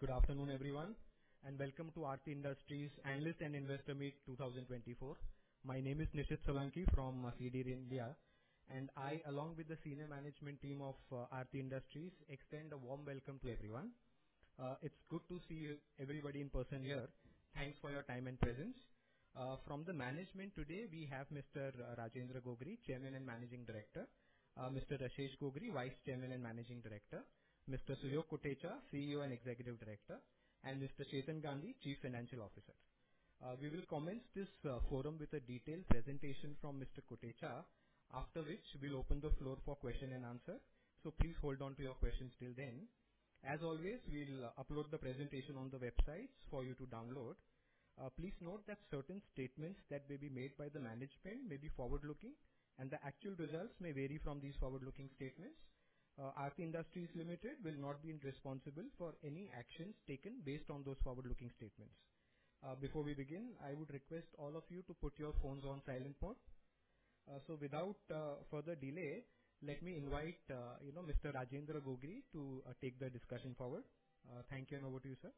Good afternoon, everyone, and welcome to Aarti Industries Analyst and Investor Meet 2024. My name is Nishid Solanki from CDR India, and I, along with the senior management team of Aarti Industries, extend a warm welcome to everyone. It's good to see everybody in person here. Thanks for your time and presence. From the management today, we have Mr. Rajendra Gogri, Chairman and Managing Director. Mr. Rashesh Gogri, Vice Chairman and Managing Director. Mr. Suyog Kotecha, CEO and Executive Director. And Mr. Chetan Gandhi, Chief Financial Officer. We will commence this forum with a detailed presentation from Mr. Kotecha, after which we'll open the floor for questions and answers. Please hold on to your questions till then. As always, we'll upload the presentation on the websites for you to download. Please note that certain statements that may be made by the management may be forward-looking, and the actual results may vary from these forward-looking statements. Aarti Industries Limited will not be responsible for any actions taken based on those forward-looking statements. Before we begin, I would request all of you to put your phones on silent mode. So without further delay, let me invite Mr. Rajendra Gogri to take the discussion forward. Thank you, and over to you, sir.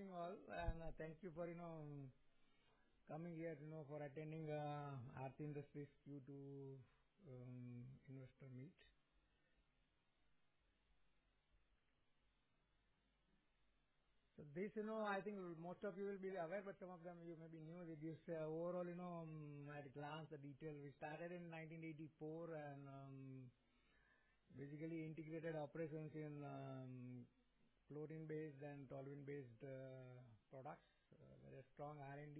Good evening, all, and thank you for coming here for attending Aarti Industries Q2 Investor Meet. So this, I think most of you will be aware, but some of you may be new. Overall, at a glance, in detail we started in 1984 and basically integrated operations in chlorine-based and toluene-based products, very strong R&D,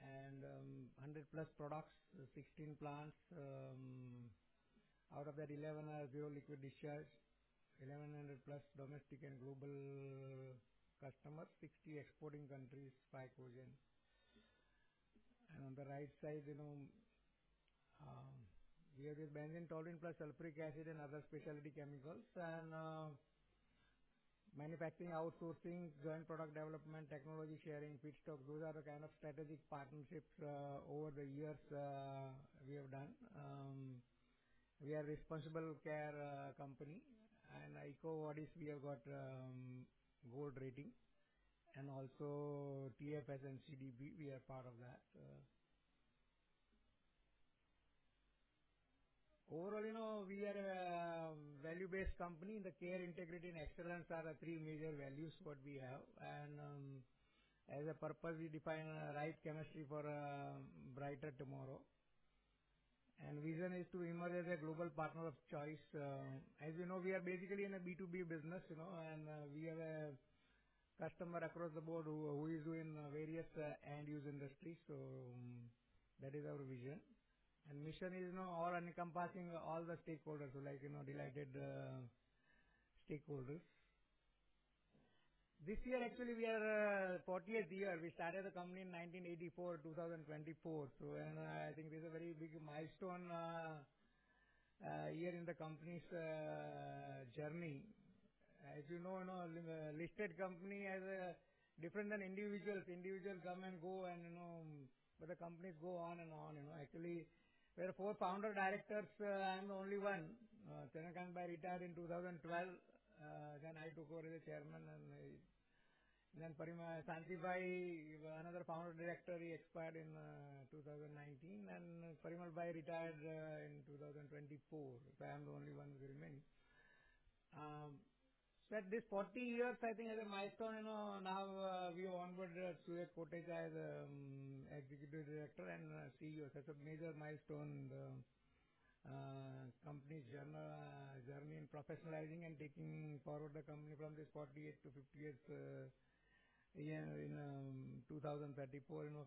and 100-plus products, 16 plants. Out of that, 11 are zero liquid discharge, 1,100-plus domestic and global customers, 60 exporting countries, 5 continents. And on the right side, we have benzene, toluene, plus sulfuric acid and other specialty chemicals, and manufacturing, outsourcing, joint product development, technology sharing, with stock. Those are the kind of strategic partnerships over the years we have done. We are a responsible care company, and EcoVadis, we have got gold rating, and also TfS and CDP, we are part of that. Overall, we are a value-based company. The care, integrity, and excellence are the three major values what we have, and as a purpose, we define right chemistry for a brighter tomorrow, and the vision is to emerge as a global partner of choice. As you know, we are basically in a B2B business, and we have a customer across the board who is doing various end-use industries. So that is our vision, and the mission is all-encompassing all the stakeholders, like delighted stakeholders. This year, actually, we are the 40th year. We started the company in 1984, 2024. So I think this is a very big milestone year in the company's journey. As you know, a listed company is different than individuals. Individuals come and go, but the companies go on and on. Actually, we had four founder directors. I'm the only one. Chandrakant Bhai retired in 2012, then I took over as the chairman. Then Shanti Bhai, another founder director, he expired in 2019. And Parimal Bhai retired in 2024. So I'm the only one who remained. So at this 40 years, I think as a milestone, now we onward to Kotecha as Executive Director and CEO. That's a major milestone in the company's journey in professionalizing and taking forward the company from this 48 to 50 years in 2034. With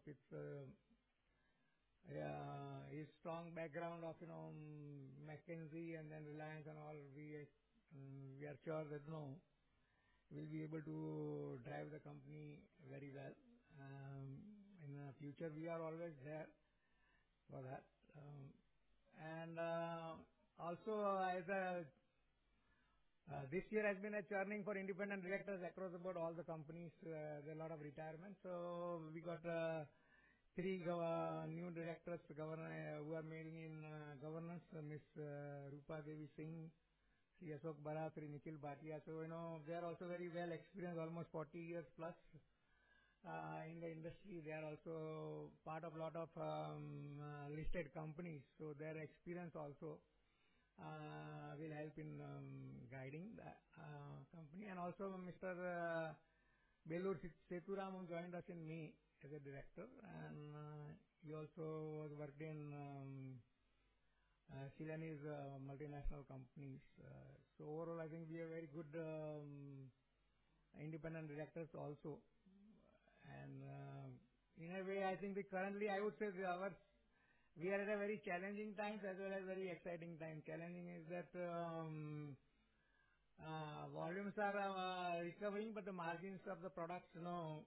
his strong background of McKinsey and then Reliance and all, we are sure that we'll be able to drive the company very well. In the future, we are always there for that. And also, this year has been a churning for independent directors across about all the companies. There are a lot of retirements. So we got three new directors who are mainly in governance: Ms. Rupa Devi Singh, Belur Sethuram, Nikhil Bhatia. They are also very well experienced, almost 40 years plus in the industry. They are also part of a lot of listed companies. So their experience also will help in guiding the company. And also, Mr. Belur Sethuram joined us in May as a director. And he also worked in several multinational companies. So overall, I think we have very good independent directors also. And in a way, I think currently, I would say we are at a very challenging time as well as very exciting time. Challenging is that volumes are recovering, but the margins of the products are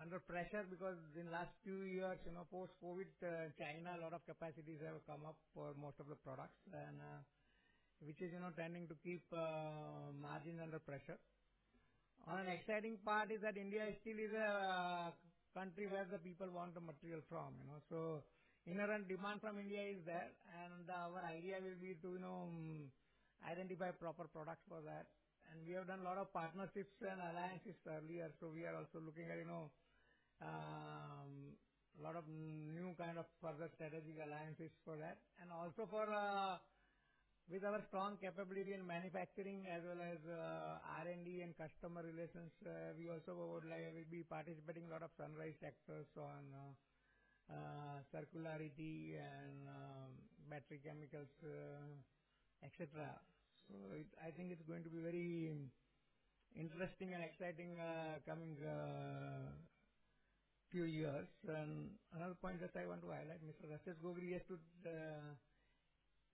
under pressure because in the last few years, post-COVID, China, a lot of capacities have come up for most of the products, which is tending to keep margins under pressure. One exciting part is that India still is a country where the people want the material from. So inherent demand from India is there. And our idea will be to identify proper products for that. And we have done a lot of partnerships and alliances earlier. So we are also looking at a lot of new kind of further strategic alliances for that. And also with our strong capability in manufacturing as well as R&D and customer relations, we also would be participating in a lot of sunrise sectors, so on, circularity, and battery chemicals, etc. So I think it's going to be very interesting and exciting coming few years. And another point that I want to highlight, Mr. Rashesh Gogri has to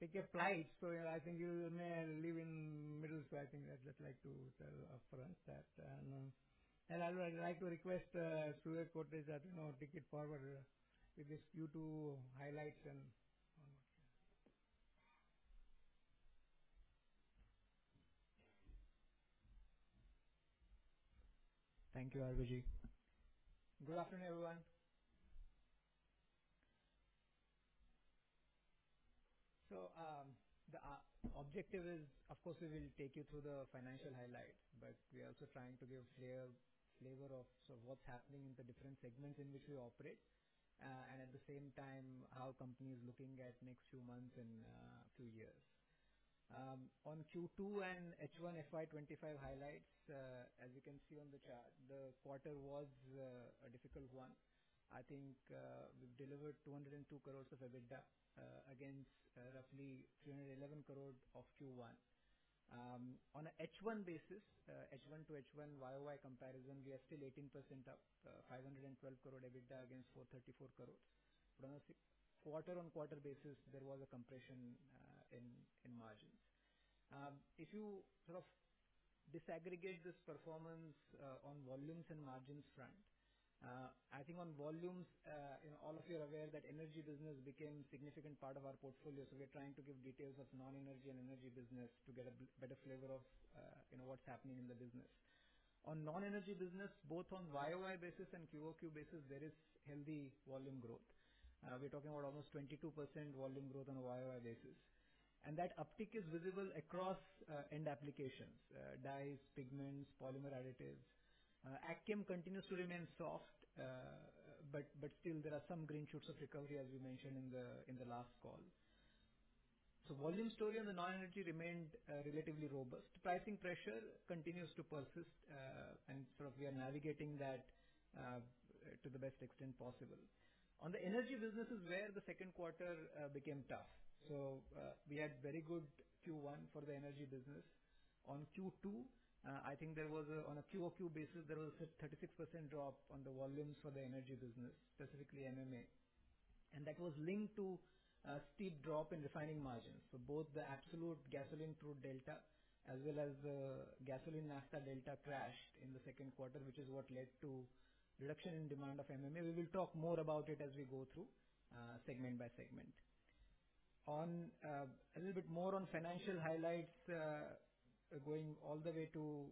take a flight. So I think he may leave in the middle. So I think I'd just like to tell our friends that. And I'd like to request Suyog Kotecha that take it forward with this Q2 highlights and. Thank you, RVG. Good afternoon, everyone. The objective is, of course, we will take you through the financial highlights, but we are also trying to give a flavor of what's happening in the different segments in which we operate. At the same time, how the company is looking at the next few months and a few years. On Q2 and H1 FY25 highlights, as you can see on the chart, the quarter was a difficult one. I think we've delivered 202 crores of EBITDA against roughly 311 crore of Q1. On an H1 basis, H1 to H1 YOY comparison, we are still 18% up, 512 crore EBITDA against 434 crore. But on a quarter-on-quarter basis, there was a compression in margins. If you sort of disaggregate this performance on volumes and margins front, I think on volumes, all of you are aware that energy business became a significant part of our portfolio, so we are trying to give details of non-energy and energy business to get a better flavor of what's happening in the business. On non-energy business, both on YOY basis and QOQ basis, there is healthy volume growth. We're talking about almost 22% volume growth on a YOY basis, and that uptick is visible across end applications: dyes, pigments, polymer additives. AgChem continues to remain soft, but still, there are some green shoots of recovery, as we mentioned in the last call. So the volume story on the non-energy remained relatively robust. Pricing pressure continues to persist, and sort of we are navigating that to the best extent possible. On the energy business is where the second quarter became tough. So we had very good Q1 for the energy business. On Q2, I think on a QOQ basis, there was a 36% drop on the volumes for the energy business, specifically MMA. And that was linked to a steep drop in refining margins. So both the absolute gasoline crude delta as well as the gasoline Naphtha delta crashed in the second quarter, which is what led to a reduction in demand of MMA. We will talk more about it as we go through segment by segment. A little bit more on financial highlights going all the way to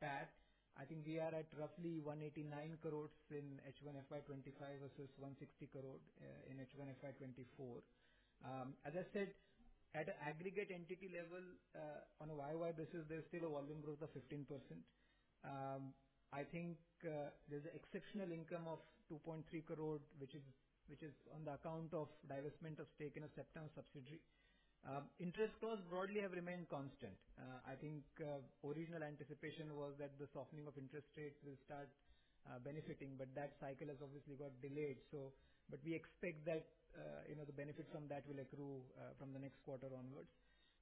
PAT, I think we are at roughly 189 crores in H1 FY25 versus 160 crore in H1 FY24. As I said, at an aggregate entity level, on a YOY basis, there is still a volume growth of 15%. I think there's an exceptional income of 2.3 crore, which is on the account of divestment of stake in a step-down subsidiary. Interest costs broadly have remained constant. I think the original anticipation was that the softening of interest rates will start benefiting, but that cycle has obviously got delayed. But we expect that the benefits from that will accrue from the next quarter onwards.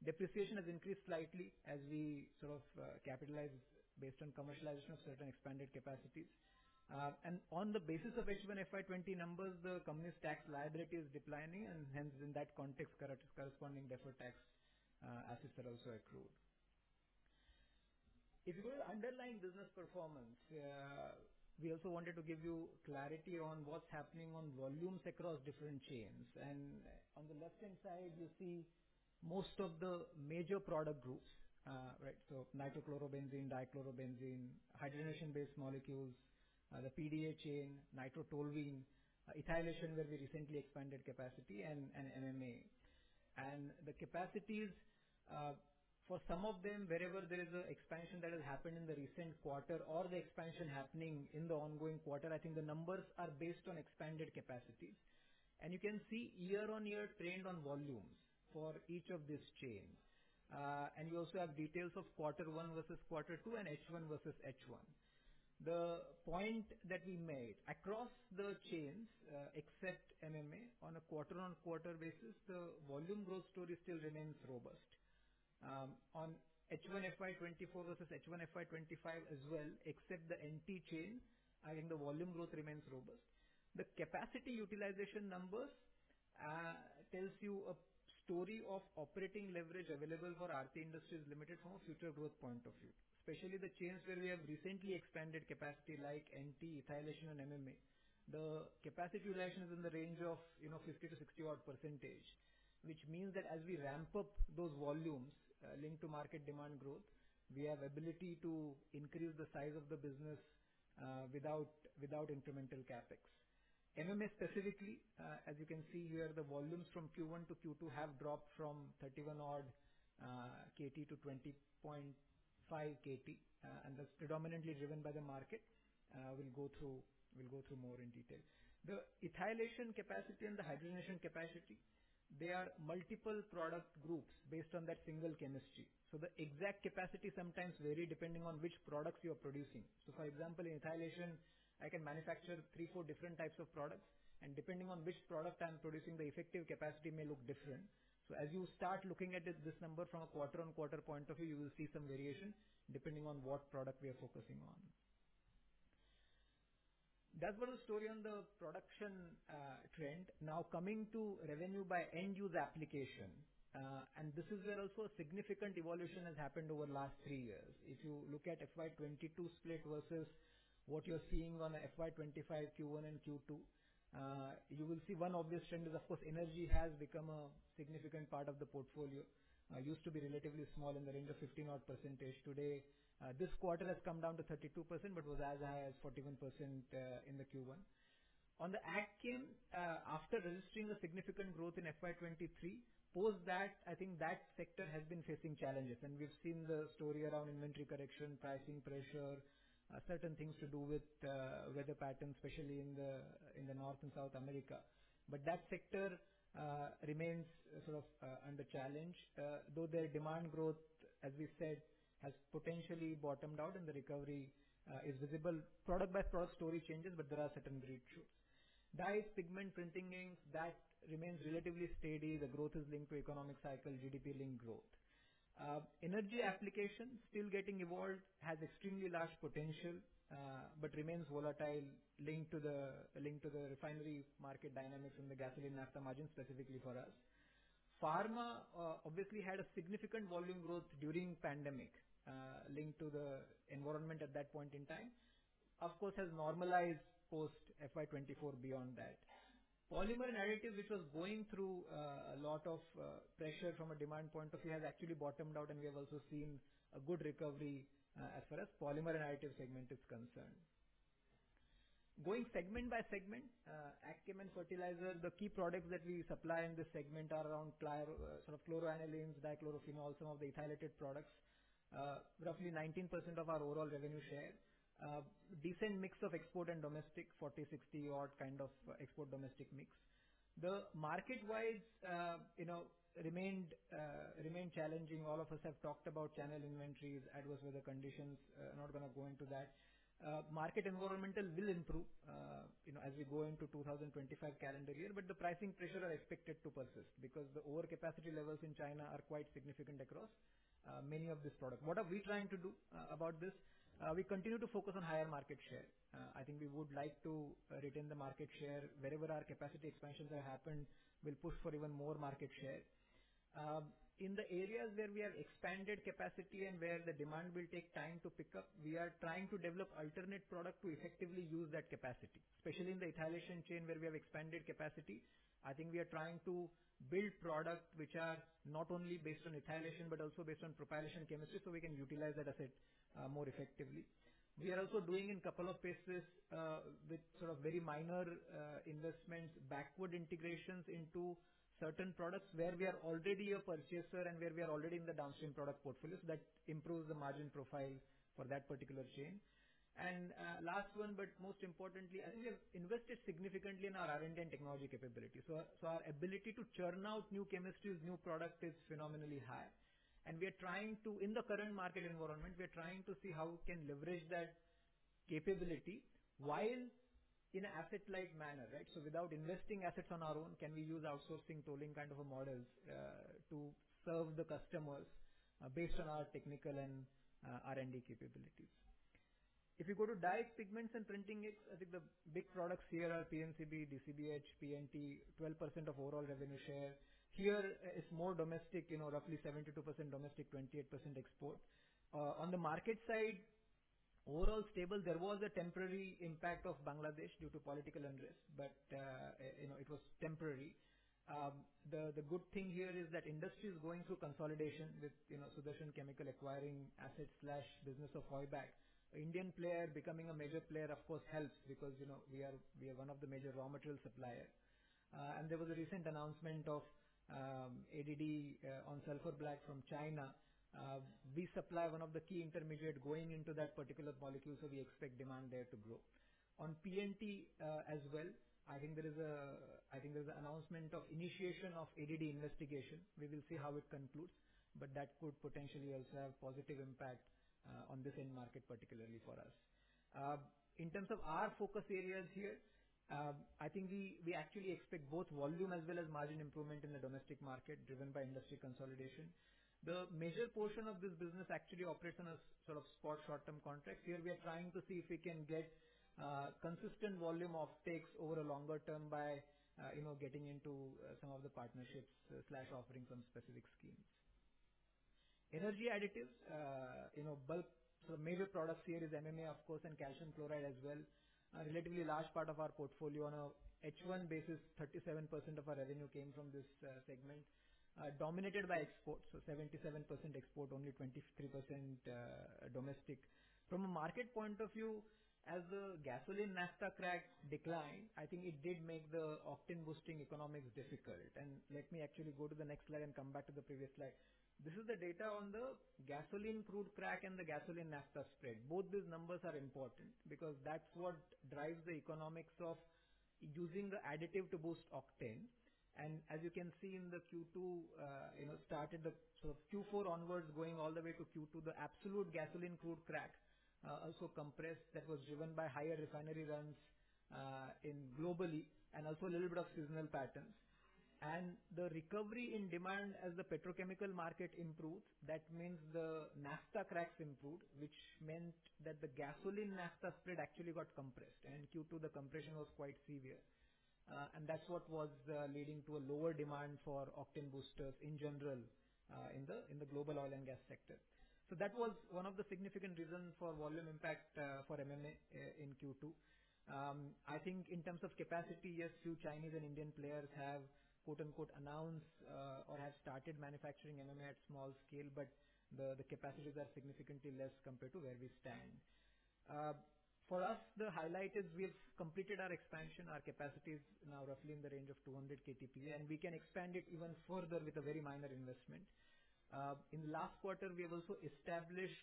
Depreciation has increased slightly as we sort of capitalize based on commercialization of certain expanded capacities. And on the basis of H1 FY20 numbers, the company's tax liability is declining, and hence, in that context, corresponding deferred tax assets are also accrued. If you go to the underlying business performance, we also wanted to give you clarity on what's happening on volumes across different chains. And on the left-hand side, you see most of the major product groups, right? Nitrochlorobenzene, dichlorobenzene, hydrogenation-based molecules, the PDCB chain, nitrotoluene, ethylation, where we recently expanded capacity, and MMA. The capacities, for some of them, wherever there is an expansion that has happened in the recent quarter or the expansion happening in the ongoing quarter, I think the numbers are based on expanded capacities. You can see year-on-year trend on volumes for each of these chains. You also have details of quarter one versus quarter two and H1 versus H1. The point that we made across the chains, except MMA, on a quarter-on-quarter basis, the volume growth story still remains robust. On H1 FY24 versus H1 FY25 as well, except the NT chain, I think the volume growth remains robust. The capacity utilization numbers tell you a story of operating leverage available for Aarti Industries Limited from a future growth point of view, especially the chains where we have recently expanded capacity like NT, ethylation, and MMA. The capacity utilization is in the range of 50% to 60-odd%, which means that as we ramp up those volumes linked to market demand growth, we have the ability to increase the size of the business without incremental CapEx. MMA specifically, as you can see here, the volumes from Q1 to Q2 have dropped from 31-odd KT to 20.5 KT, and that's predominantly driven by the market. We'll go through more in detail. The ethylation capacity and the hydrogenation capacity, they are multiple product groups based on that single chemistry. So the exact capacity sometimes varies depending on which products you are producing. So for example, in ethylation, I can manufacture three, four different types of products. And depending on which product I'm producing, the effective capacity may look different. So as you start looking at this number from a quarter-on-quarter point of view, you will see some variation depending on what product we are focusing on. That was the story on the production trend. Now coming to revenue by end-use application. And this is where also a significant evolution has happened over the last three years. If you look at FY22 split versus what you're seeing on FY25 Q1 and Q2, you will see one obvious trend is, of course, energy has become a significant part of the portfolio. It used to be relatively small in the range of 15-odd %. Today, this quarter has come down to 32%, but was as high as 41% in the Q1. On the Agchem, after registering a significant growth in FY23, post that, I think that sector has been facing challenges, and we've seen the story around inventory correction, pricing pressure, certain things to do with weather patterns, especially in the North and South America, but that sector remains sort of under challenge, though their demand growth, as we said, has potentially bottomed out, and the recovery is visible. Product-by-product story changes, but there are certain pockets. Dyes, pigment, printing inks, that remains relatively steady. The growth is linked to economic cycle, GDP-linked growth. Energy applications still getting evolved has extremely large potential but remains volatile linked to the refinery market dynamics in the gasoline naphtha margin, specifically for us. Pharma obviously had a significant volume growth during the pandemic linked to the environment at that point in time. Of course, it has normalized post-FY24 beyond that. Polymer and additive, which was going through a lot of pressure from a demand point of view, has actually bottomed out, and we have also seen a good recovery as far as polymer and additive segment is concerned. Going segment by segment, AgChem and fertilizer, the key products that we supply in this segment are around sort of chloroanilines, dichlorophenol, some of the ethylated products, roughly 19% of our overall revenue share, decent mix of export and domestic, 40-60-odd kind of export-domestic mix. The market-wise remained challenging. All of us have talked about channel inventories, adverse weather conditions. I'm not going to go into that. Market environment will improve as we go into the 2025 calendar year, but the pricing pressure is expected to persist because the overcapacity levels in China are quite significant across many of these products. What are we trying to do about this? We continue to focus on higher market share. I think we would like to retain the market share. Wherever our capacity expansions have happened, we'll push for even more market share. In the areas where we have expanded capacity and where the demand will take time to pick up, we are trying to develop alternate products to effectively use that capacity, especially in the ethylation chain where we have expanded capacity. I think we are trying to build products which are not only based on ethylation but also based on propylation chemistry so we can utilize that asset more effectively. We are also doing in a couple of places with sort of very minor investments, backward integrations into certain products where we are already a purchaser and where we are already in the downstream product portfolios that improves the margin profile for that particular chain. And last one, but most importantly, I think we have invested significantly in our R&D and technology capability. So our ability to churn out new chemistries, new products is phenomenally high. And we are trying to, in the current market environment, see how we can leverage that capability while in an asset-like manner, right? So without investing assets on our own, can we use outsourcing tolling kind of models to serve the customers based on our technical and R&D capabilities? If you go to dyes, pigments, and printing inks, I think the big products here are PNCB, DCB, PNT, 12% of overall revenue share. Here is more domestic, roughly 72% domestic, 28% export. On the market side, overall stable. There was a temporary impact of Bangladesh due to political unrest, but it was temporary. The good thing here is that industry is going through consolidation with Sudarshan Chemical acquiring assets/business of Heubach. The Indian player becoming a major player, of course, helps because we are one of the major raw material suppliers, and there was a recent announcement of ADD on Sulfur Black from China. We supply one of the key intermediates going into that particular molecule, so we expect demand there to grow. On PNT as well, I think there is an announcement of initiation of ADD investigation. We will see how it concludes, but that could potentially also have a positive impact on this end market, particularly for us. In terms of our focus areas here, I think we actually expect both volume as well as margin improvement in the domestic market driven by industry consolidation. The major portion of this business actually operates on a sort of spot short-term contracts. Here we are trying to see if we can get consistent volume of offtakes over a longer term by getting into some of the partnerships, offering some specific schemes. Energy additives, bulk sort of major products here is MMA, of course, and calcium chloride as well, a relatively large part of our portfolio. On an H1 basis, 37% of our revenue came from this segment, dominated by exports. So 77% export, only 23% domestic. From a market point of view, as the gasoline-naphtha crack declined, I think it did make the octane-boosting economics difficult. And let me actually go to the next slide and come back to the previous slide. This is the data on the gasoline-crude crack and the gasoline-naphtha spread. Both these numbers are important because that's what drives the economics of using the additive to boost octane. And as you can see in the Q2, started the sort of Q4 onwards going all the way to Q2, the absolute gasoline crude crack also compressed. That was driven by higher refinery runs globally and also a little bit of seasonal patterns. And the recovery in demand as the petrochemical market improved, that means the naphtha cracks improved, which meant that the gasoline naphtha spread actually got compressed. And in Q2, the compression was quite severe. And that's what was leading to a lower demand for octane boosters in general in the global oil and gas sector. So that was one of the significant reasons for volume impact for MMA in Q2. I think in terms of capacity, yes, a few Chinese and Indian players have "announced" or have started manufacturing MMA at small scale, but the capacities are significantly less compared to where we stand. For us, the highlight is we've completed our expansion. Our capacity is now roughly in the range of 200 KTPA, and we can expand it even further with a very minor investment. In the last quarter, we have also established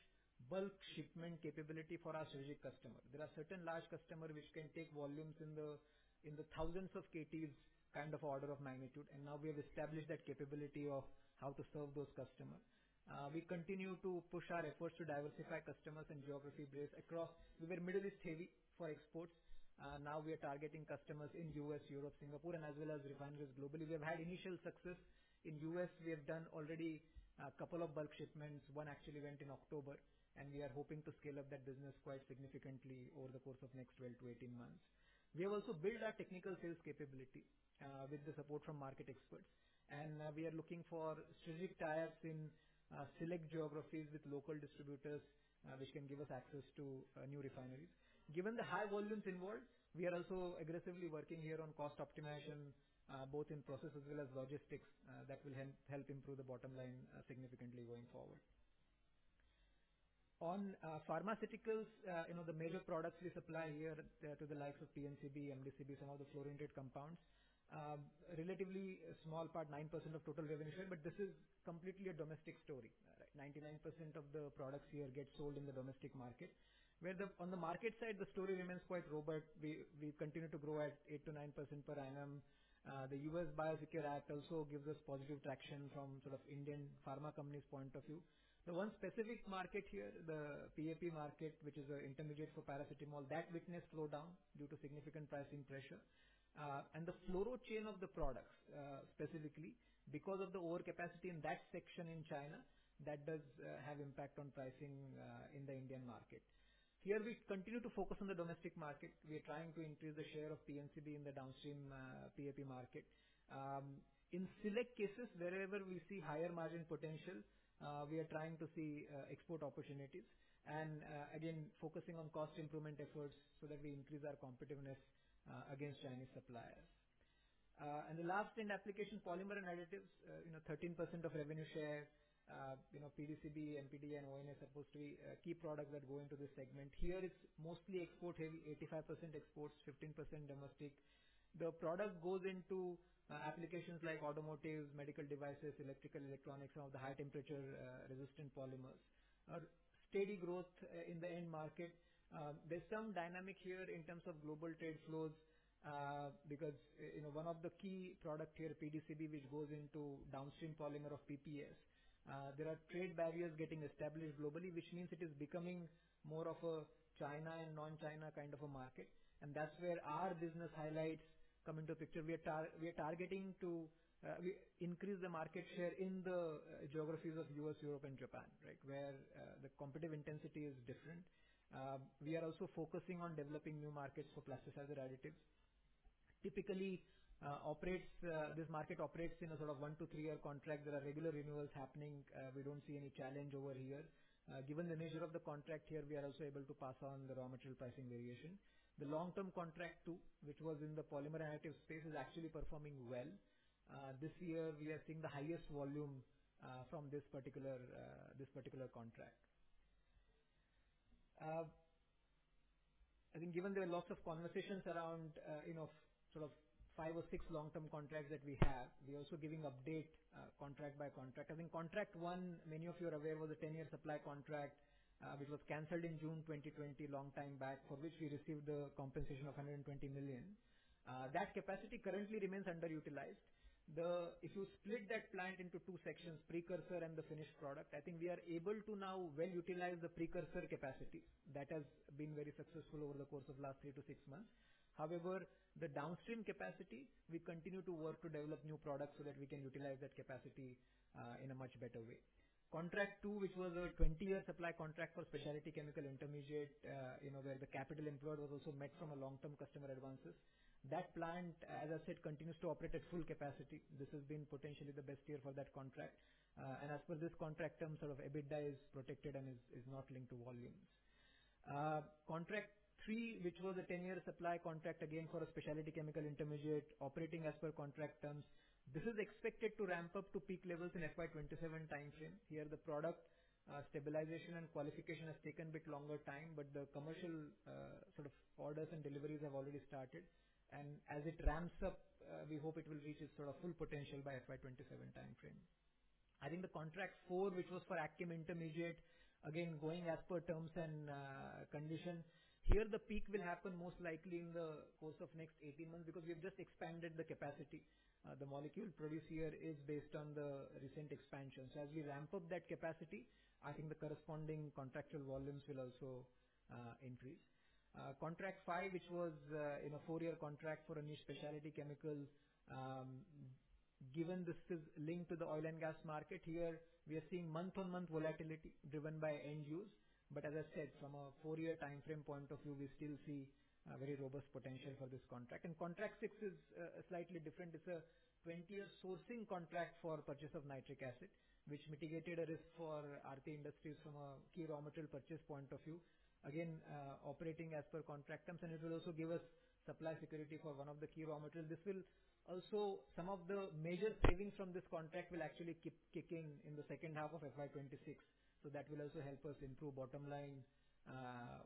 bulk shipment capability for our strategic customers. There are certain large customers which can take volumes in the thousands of KTs kind of order of magnitude, and now we have established that capability of how to serve those customers. We continue to push our efforts to diversify customers and geography based across. We were Middle East heavy for exports. Now we are targeting customers in the U.S., Europe, Singapore, and as well as refineries globally. We have had initial success. In the U.S., we have done already a couple of bulk shipments. One actually went in October, and we are hoping to scale up that business quite significantly over the course of the next 12 to 18 months. We have also built our technical sales capability with the support from market experts. And we are looking for strategic ties in select geographies with local distributors, which can give us access to new refineries. Given the high volumes involved, we are also aggressively working here on cost optimization, both in process as well as logistics, that will help improve the bottom line significantly going forward. On pharmaceuticals, the major products we supply here to the likes of PNCB, MDCB, some of the fluorinated compounds, a relatively small part, 9% of total revenue share, but this is completely a domestic story. 99% of the products here get sold in the domestic market. On the market side, the story remains quite robust. We continue to grow at 8-9% per annum. The U.S. Biosecure Act also gives us positive traction from sort of Indian pharma companies' point of view. The one specific market here, the PAP market, which is an intermediate for paracetamol, that witnessed slowdown due to significant pricing pressure, and the fluoro chain of the products, specifically, because of the overcapacity in that section in China, that does have an impact on pricing in the Indian market. Here, we continue to focus on the domestic market. We are trying to increase the share of PNCB in the downstream PAP market. In select cases, wherever we see higher margin potential, we are trying to see export opportunities, and again, focusing on cost improvement efforts so that we increase our competitiveness against Chinese suppliers, and the last in application, polymer and additives, 13% of revenue share. PDCB, MPD, and NCB are supposed to be key products that go into this segment. Here, it's mostly export-heavy, 85% exports, 15% domestic. The product goes into applications like automotive, medical devices, electrical, electronics, some of the high-temperature resistant polymers. Steady growth in the end market. There's some dynamic here in terms of global trade flows because one of the key products here, PDCB, which goes into downstream polymer of PPS. There are trade barriers getting established globally, which means it is becoming more of a China and non-China kind of a market. And that's where our business highlights come into picture. We are targeting to increase the market share in the geographies of the US, Europe, and Japan, right, where the competitive intensity is different. We are also focusing on developing new markets for plasticizer additives. Typically, this market operates in a sort of one to three-year contract. There are regular renewals happening. We don't see any challenge over here. Given the nature of the contract here, we are also able to pass on the raw material pricing variation. The long-term contract, too, which was in the polymer and additive space, is actually performing well. This year, we are seeing the highest volume from this particular contract. I think given there are lots of conversations around sort of five or six long-term contracts that we have, we are also giving update contract by contract. I think contract one, many of you are aware, was a 10-year supply contract, which was canceled in June 2020, a long time back, for which we received the compensation of $120 million. That capacity currently remains underutilized. If you split that plant into two sections, precursor and the finished product, I think we are able to now well utilize the precursor capacity. That has been very successful over the course of the last three to six months. However, the downstream capacity, we continue to work to develop new products so that we can utilize that capacity in a much better way. Contract two, which was a 20-year supply contract for specialty chemical intermediate, where the capital employed was also met from a long-term customer advances. That plant, as I said, continues to operate at full capacity. This has been potentially the best year for that contract, and as per this contract term, sort of EBITDA is protected and is not linked to volumes. Contract three, which was a 10-year supply contract, again for a specialty chemical intermediate, operating as per contract terms. This is expected to ramp up to peak levels in the FY27 timeframe. Here, the product stabilization and qualification has taken a bit longer time, but the commercial sort of orders and deliveries have already started, and as it ramps up, we hope it will reach its sort of full potential by the FY27 timeframe. I think the contract four, which was for ACMIM Intermediate, again, going as per terms and conditions, here, the peak will happen most likely in the course of the next 18 months because we have just expanded the capacity. The molecule produced here is based on the recent expansion. So as we ramp up that capacity, I think the corresponding contractual volumes will also increase. Contract five, which was a four-year contract for a new specialty chemical. Given this is linked to the oil and gas market, here, we are seeing month-on-month volatility driven by end use. But as I said, from a four-year timeframe point of view, we still see very robust potential for this contract. And contract six is slightly different. It's a 20-year sourcing contract for purchase of nitric acid, which mitigated a risk for Aarti Industries from a key raw material purchase point of view, again, operating as per contract terms. And it will also give us supply security for one of the key raw materials. This will also some of the major savings from this contract will actually kick in in the second half of FY26. So that will also help us improve bottom line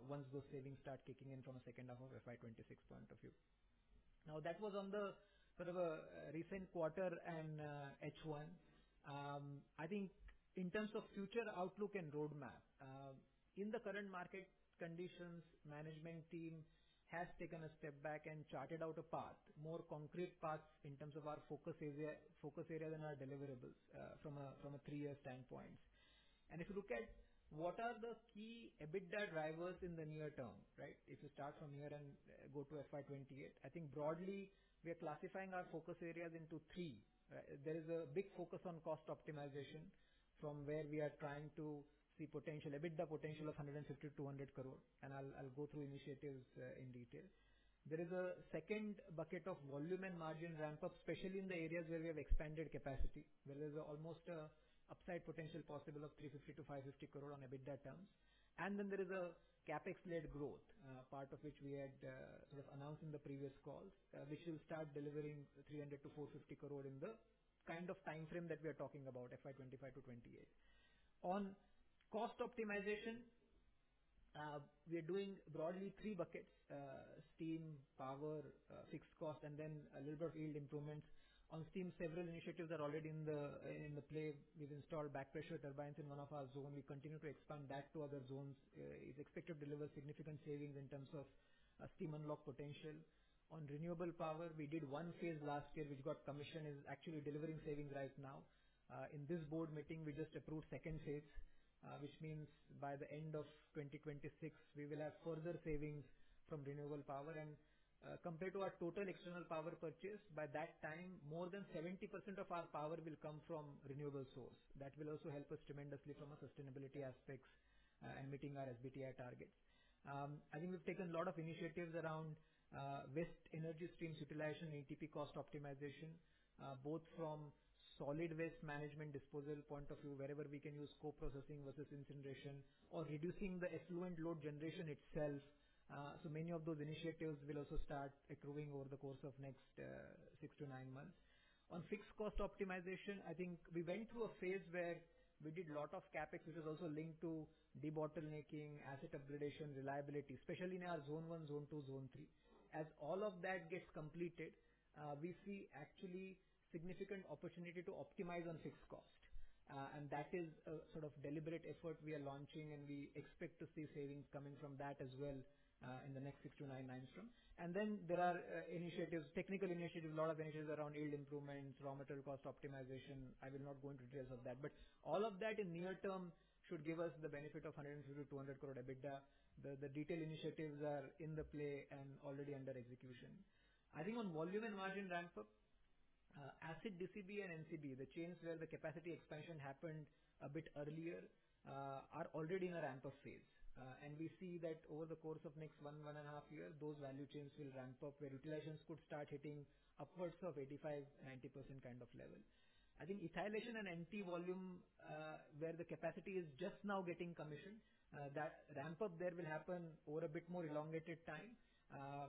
once those savings start kicking in from the second half of FY26 point of view. Now, that was on the sort of a recent quarter and H1. I think in terms of future outlook and roadmap, in the current market conditions, the management team has taken a step back and charted out a path, more concrete paths in terms of our focus area than our deliverables from a three-year standpoint. And if you look at what are the key EBITDA drivers in the near term, right, if you start from here and go to FY28, I think broadly, we are classifying our focus areas into three. There is a big focus on cost optimization from where we are trying to see potential EBITDA potential of 150-200 crore. And I'll go through initiatives in detail. There is a second bucket of volume and margin ramp-up, especially in the areas where we have expanded capacity, where there's almost an upside potential possible of 350-550 crore on EBITDA terms. Then there is a CapEx-led growth, part of which we had sort of announced in the previous calls, which will start delivering 300-450 crore in the kind of timeframe that we are talking about, FY 2025 to 2028. On cost optimization, we are doing broadly three buckets: steam, power, fixed cost, and then a little bit of yield improvements. On steam, several initiatives are already in the play. We have installed backpressure turbines in one of our zones. We continue to expand that to other zones. It is expected to deliver significant savings in terms of steam unlock potential. On renewable power, we did one phase last year, which got commissioned, is actually delivering savings right now. In this board meeting, we just approved second phase, which means by the end of 2026, we will have further savings from renewable power. And compared to our total external power purchase, by that time, more than 70% of our power will come from renewable source. That will also help us tremendously from sustainability aspects and meeting our SBTi targets. I think we've taken a lot of initiatives around waste energy streams utilization, ETP cost optimization, both from solid waste management disposal point of view, wherever we can use co-processing versus incineration, or reducing the effluent load generation itself. So many of those initiatives will also start accruing over the course of the next six to nine months. On fixed cost optimization, I think we went through a phase where we did a lot of CapEx, which is also linked to debottlenecking, asset upgradation, reliability, especially in our Zone 1, Zone 2, Zone 3. As all of that gets completed, we see actually significant opportunity to optimize on fixed cost. And that is a sort of deliberate effort we are launching, and we expect to see savings coming from that as well in the next six to nine timeframe. And then there are initiatives, technical initiatives, a lot of initiatives around yield improvements, raw material cost optimization. I will not go into details of that. But all of that in near term should give us the benefit of 150-200 crore EBITDA. The detailed initiatives are in the play and already under execution. I think on volume and margin ramp-up, Acid, DCB, and NCB, the chains where the capacity expansion happened a bit earlier, are already in a ramp-up phase. And we see that over the course of the next one, one and a half years, those value chains will ramp up where utilizations could start hitting upwards of 85%-90% kind of level. I think ethylation and NT volume, where the capacity is just now getting commissioned, that ramp-up there will happen over a bit more elongated time.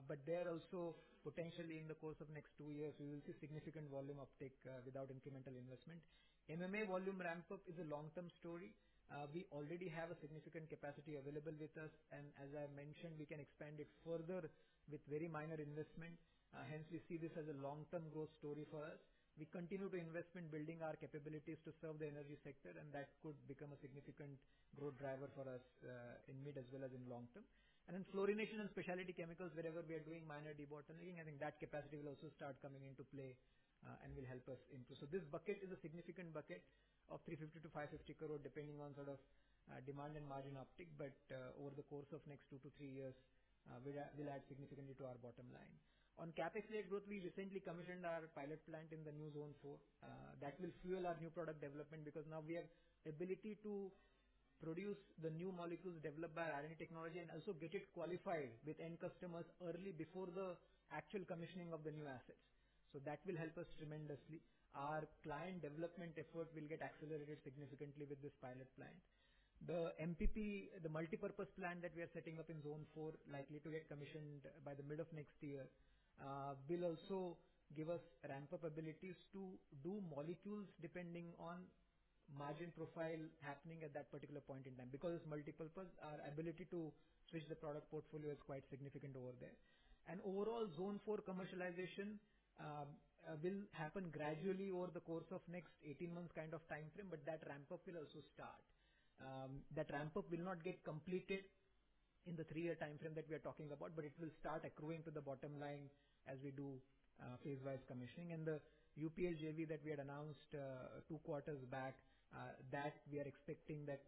But there also, potentially in the course of the next two years, we will see significant volume uptake without incremental investment. MMA volume ramp-up is a long-term story. We already have a significant capacity available with us. And as I mentioned, we can expand it further with very minor investment. Hence, we see this as a long-term growth story for us. We continue to invest in building our capabilities to serve the energy sector, and that could become a significant growth driver for us in mid as well as in long term. And then fluorination and specialty chemicals, wherever we are doing minor debottlenecking, I think that capacity will also start coming into play and will help us improve. So this bucket is a significant bucket of 350-550 crore, depending on sort of demand and margin uptake. But over the course of the next two to three years, we'll add significantly to our bottom line. On CapEx-led growth, we recently commissioned our pilot plant in the new Zone 4. That will fuel our new product development because now we have the ability to produce the new molecules developed by R&D technology and also get it qualified with end customers early before the actual commissioning of the new assets. So that will help us tremendously. Our client development effort will get accelerated significantly with this pilot plant. The MPP, the multipurpose plant that we are setting up in Zone 4, likely to get commissioned by the middle of next year, will also give us ramp-up abilities to do molecules depending on margin profile happening at that particular point in time because multipurpose, our ability to switch the product portfolio is quite significant over there, and overall, Zone 4 commercialization will happen gradually over the course of the next 18 months kind of timeframe, but that ramp-up will also start. That ramp-up will not get completed in the three-year timeframe that we are talking about, but it will start accruing to the bottom line as we do phase-wise commissioning. And the UPL JV that we had announced two quarters back, that we are expecting that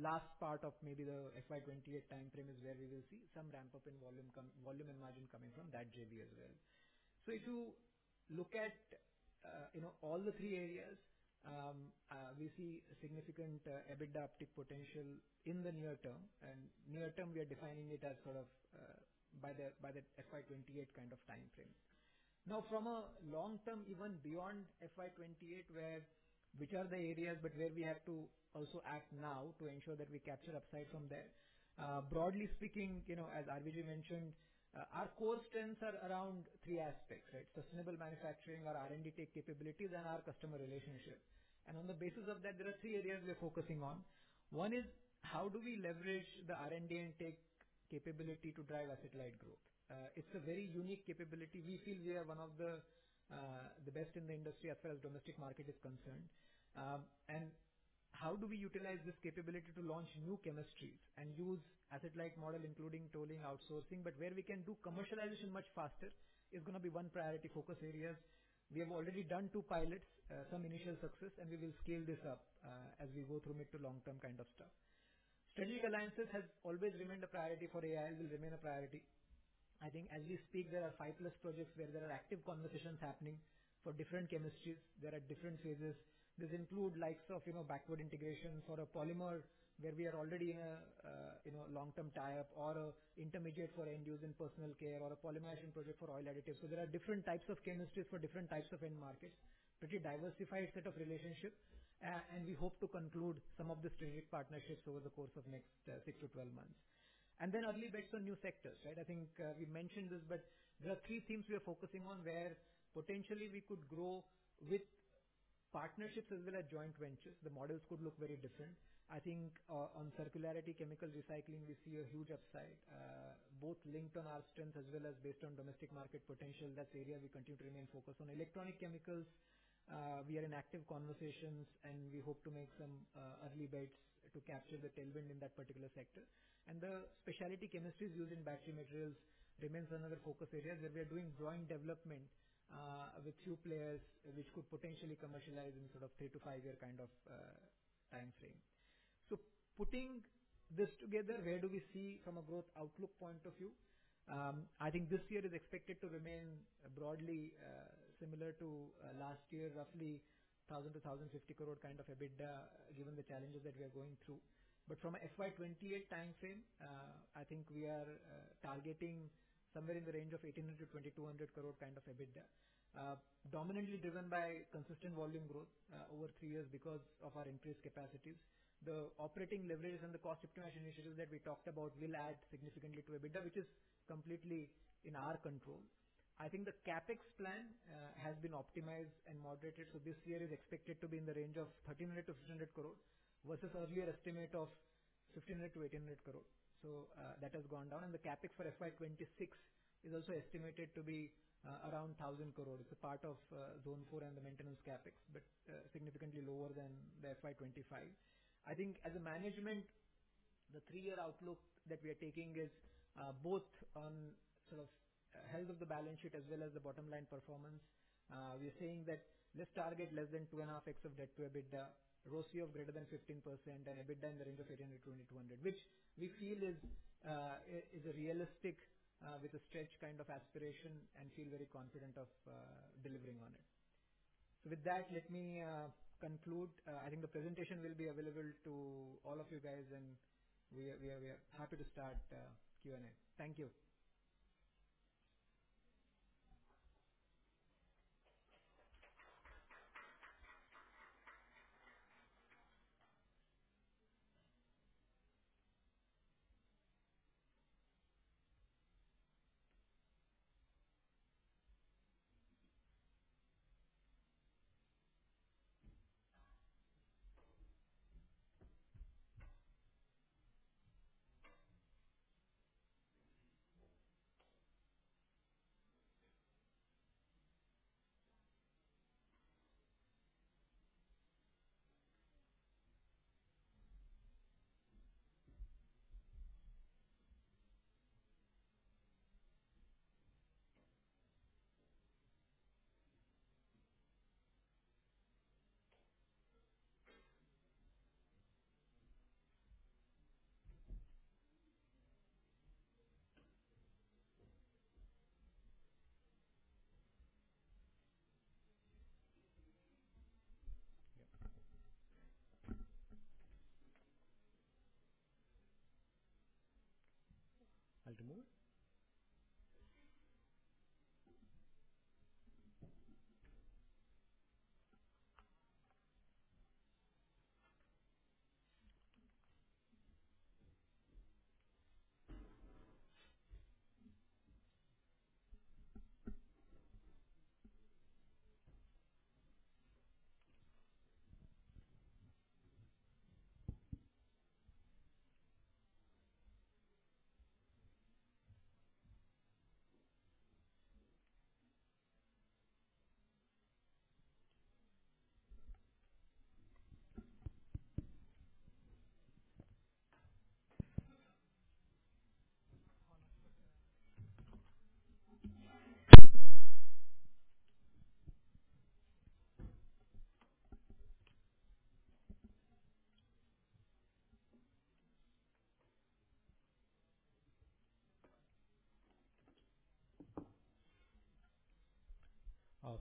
last part of maybe the FY28 timeframe is where we will see some ramp-up in volume and margin coming from that JV as well. So if you look at all the three areas, we see significant EBITDA uptake potential in the near term. And near term, we are defining it as sort of by the FY28 kind of timeframe. Now, from a long term, even beyond FY28, which are the areas, but where we have to also act now to ensure that we capture upside from there. Broadly speaking, as RVG mentioned, our core strengths are around three aspects, right? Sustainable manufacturing, our R&D tech capabilities, and our customer relationship. And on the basis of that, there are three areas we are focusing on. One is how do we leverage the R&D and tech capability to drive asset-light growth? It's a very unique capability. We feel we are one of the best in the industry as far as the domestic market is concerned, and how do we utilize this capability to launch new chemistries and use asset-light model, including tolling, outsourcing, but where we can do commercialization much faster is going to be one priority focus areas. We have already done two pilots, some initial success, and we will scale this up as we go through mid to long-term kind of stuff. Strategic alliances have always remained a priority for AI and will remain a priority. I think as we speak, there are five plus projects where there are active conversations happening for different chemistries. There are different phases. This includes the likes of backward integrations or a polymer where we are already in a long-term tie-up or an intermediate for end use in personal care or a polymerization project for oil additives. So there are different types of chemistries for different types of end markets, pretty diversified set of relationships. And we hope to conclude some of the strategic partnerships over the course of the next six to 12 months. And then early bets on new sectors, right? I think we mentioned this, but there are three themes we are focusing on where potentially we could grow with partnerships as well as joint ventures. The models could look very different. I think on circularity, chemical recycling, we see a huge upside, both linked on our strengths as well as based on domestic market potential. That's the area we continue to remain focused on. Electronic chemicals, we are in active conversations, and we hope to make some early bets to capture the tailwind in that particular sector. And the specialty chemistries used in battery materials remains another focus area where we are doing growing development with few players which could potentially commercialize in sort of three to five-year kind of timeframe. So putting this together, where do we see from a growth outlook point of view? I think this year is expected to remain broadly similar to last year, roughly 1,000-1,050 crore kind of EBITDA given the challenges that we are going through. But from an FY28 timeframe, I think we are targeting somewhere in the range of 1,800-2,200 crore kind of EBITDA, dominantly driven by consistent volume growth over three years because of our increased capacities. The operating leverage and the cost optimization initiatives that we talked about will add significantly to EBITDA, which is completely in our control. I think the CapEx plan has been optimized and moderated, so this year is expected to be in the range of 1,300-1,500 crore versus earlier estimate of 1,500-1,800 crore. So that has gone down, and the CapEx for FY26 is also estimated to be around 1,000 crore. It's a part of Zone 4 and the maintenance CapEx, but significantly lower than the FY25. I think as a management, the three-year outlook that we are taking is both on sort of health of the balance sheet as well as the bottom line performance. We are saying that let's target less than 2.5x of debt to EBITDA, ROCE of greater than 15%, and EBITDA in the range of 1,800-2,200, which we feel is realistic with a stretch kind of aspiration and feel very confident of delivering on it. So with that, let me conclude. I think the presentation will be available to all of you guys, and we are happy to start Q&A. Thank you. Yep. I'll remove.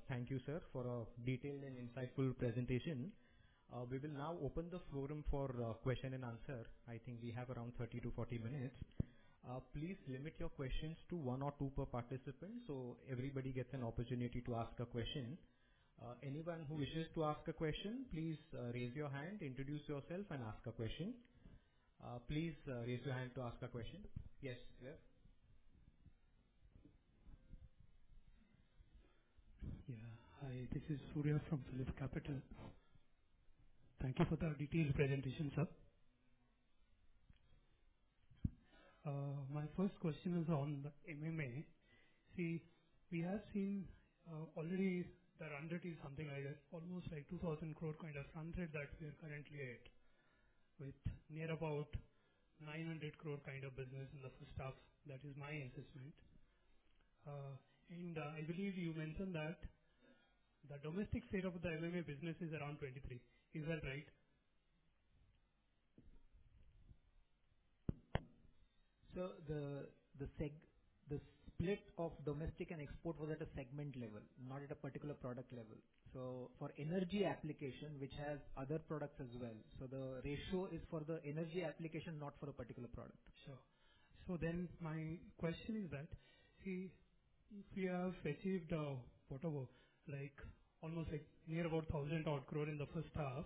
Thank you, sir, for a detailed and insightful presentation. We will now open the forum for question and answer. I think we have around 30-40 minutes. Please limit your questions to one or two per participant so everybody gets an opportunity to ask a question. Anyone who wishes to ask a question, please raise your hand, introduce yourself, and ask a question. Please raise your hand to ask a question. Yes, sir. Yeah. Hi, this is Surya from Suyash Capital Thank you for the detailed presentation, sir. My first question is on the MMA. See, we have seen already the run rate is something like almost like 2,000 crore kind of run rate that we are currently at with near about 900 crore kind of business in the first half. That is my assessment. And I believe you mentioned that the domestic share of the MMA business is around 23%. Is that right? So the split of domestic and export was at a segment level, not at a particular product level. So for energy application, which has other products as well. So the ratio is for the energy application, not for a particular product. Sure. So then my question is that, see, if we have achieved whatever, like almost like near about 1,000 crore in the first half,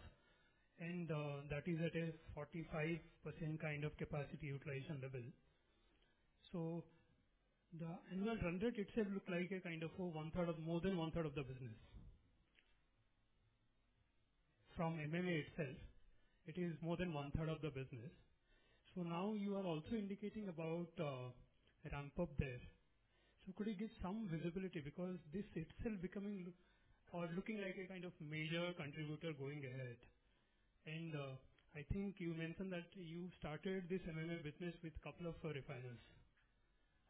and that is at a 45% kind of capacity utilization level, so the annual run rate itself looks like a kind of more than one-third of the business. From MMA itself, it is more than one-third of the business. So now you are also indicating about a ramp-up there. So could you give some visibility because this itself becoming or looking like a kind of major contributor going ahead? And I think you mentioned that you started this MMA business with a couple of refiners.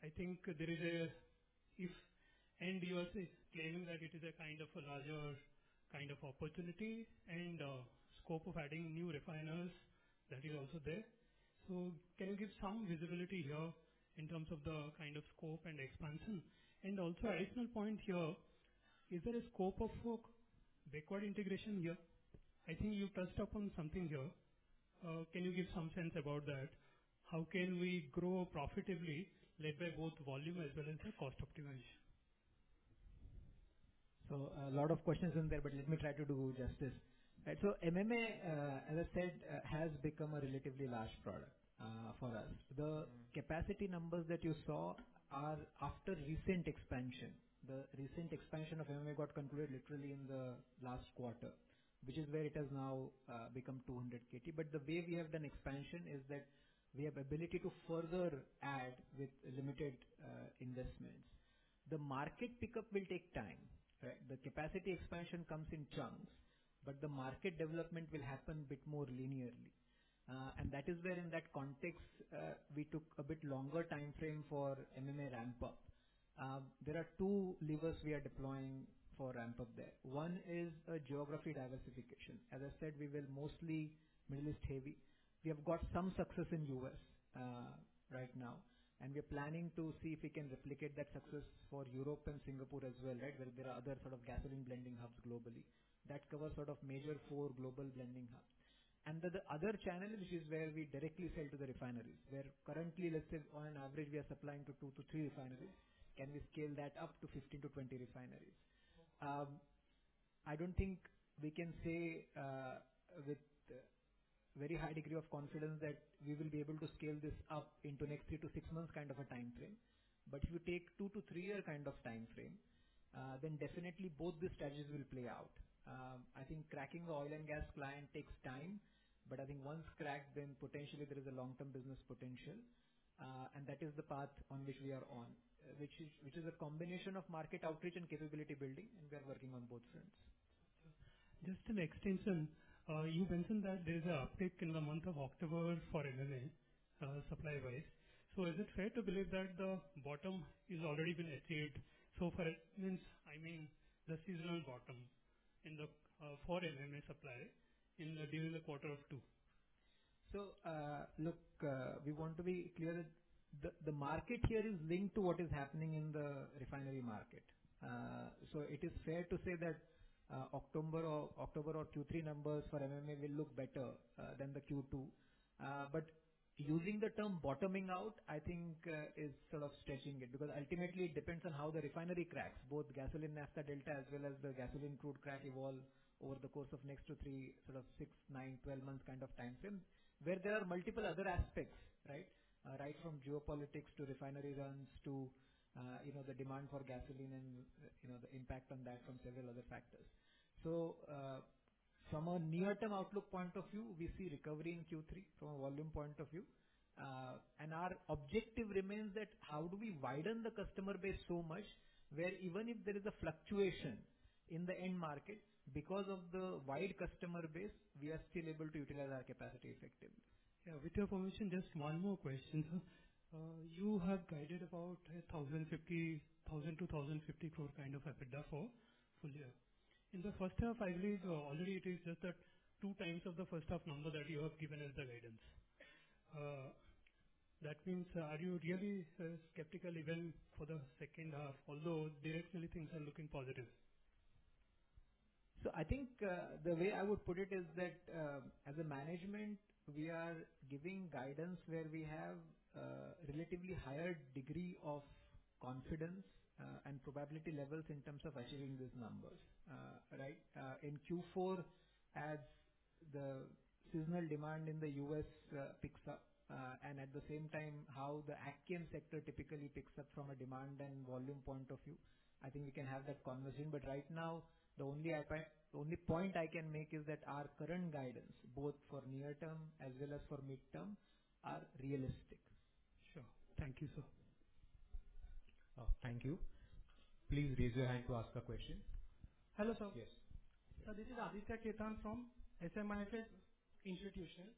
I think there is a, if, and you are claiming that it is a kind of a larger kind of opportunity and scope of adding new refiners, that is also there. So can you give some visibility here in terms of the kind of scope and expansion? And also additional point here, is there a scope of backward integration here? I think you touched upon something here. Can you give some sense about that? How can we grow profitably led by both volume as well as the cost optimization? So a lot of questions in there, but let me try to do justice. Right. So MMA, as I said, has become a relatively large product for us. The capacity numbers that you saw are after recent expansion. The recent expansion of MMA got concluded literally in the last quarter, which is where it has now become 200 KT. But the way we have done expansion is that we have the ability to further add with limited investments. The market pickup will take time, right? The capacity expansion comes in chunks, but the market development will happen a bit more linearly, and that is where in that context, we took a bit longer timeframe for MMA ramp-up. There are two levers we are deploying for ramp-up there. One is geography diversification. As I said, we will mostly Middle East heavy. We have got some success in the U.S. right now, and we are planning to see if we can replicate that success for Europe and Singapore as well, right, where there are other sort of gasoline blending hubs globally. That covers sort of major four global blending hubs, and the other channel, which is where we directly sell to the refineries, where currently, let's say on average, we are supplying to two to three refineries, can we scale that up to 15 to 20 refineries? I don't think we can say with very high degree of confidence that we will be able to scale this up into next three to six months kind of a timeframe. But if we take two to three-year kind of timeframe, then definitely both these strategies will play out. I think cracking the oil and gas client takes time, but I think once cracked, then potentially there is a long-term business potential. And that is the path on which we are on, which is a combination of market outreach and capability building, and we are working on both fronts. Just an extension, you mentioned that there is an uptick in the month of October for MMA supply-wise. So is it fair to believe that the bottom has already been achieved so far? I mean, the seasonal bottom in the Q4 MMA supply in Q2. So look, we want to be clear that the market here is linked to what is happening in the refinery market. It is fair to say that October or Q3 numbers for MMA will look better than the Q2. But using the term bottoming out, I think is sort of stretching it because ultimately it depends on how the refinery cracks, both gasoline-naphtha delta as well as the gasoline-crude crack evolve over the course of next two to three sort of six, nine, twelve months kind of timeframe where there are multiple other aspects, right, right from geopolitics to refinery runs to the demand for gasoline and the impact on that from several other factors. From a near-term outlook point of view, we see recovery in Q3 from a volume point of view. And our objective remains that how do we widen the customer base so much where even if there is a fluctuation in the end market, because of the wide customer base, we are still able to utilize our capacity effectively. Yeah. With your permission, just one more question. You have guided about 1,000-1,050 crore kind of EBITDA for Surya. In the first half, I believe already it is just that two times of the first half number that you have given as the guidance. That means are you really skeptical even for the second half, although directionally things are looking positive? So I think the way I would put it is that as a management, we are giving guidance where we have a relatively higher degree of confidence and probability levels in terms of achieving these numbers, right? In Q4, as the seasonal demand in the U.S. picks up and at the same time how the agchem sector typically picks up from a demand and volume point of view, I think we can have that conversation. But right now, the only point I can make is that our current guidance, both for near-term as well as for mid-term, are realistic. Sure. Thank you, sir. Oh, thank you. Please raise your hand to ask a question. Hello, sir. Yes. So this is Aditya Khetan from SMIFS Institutional.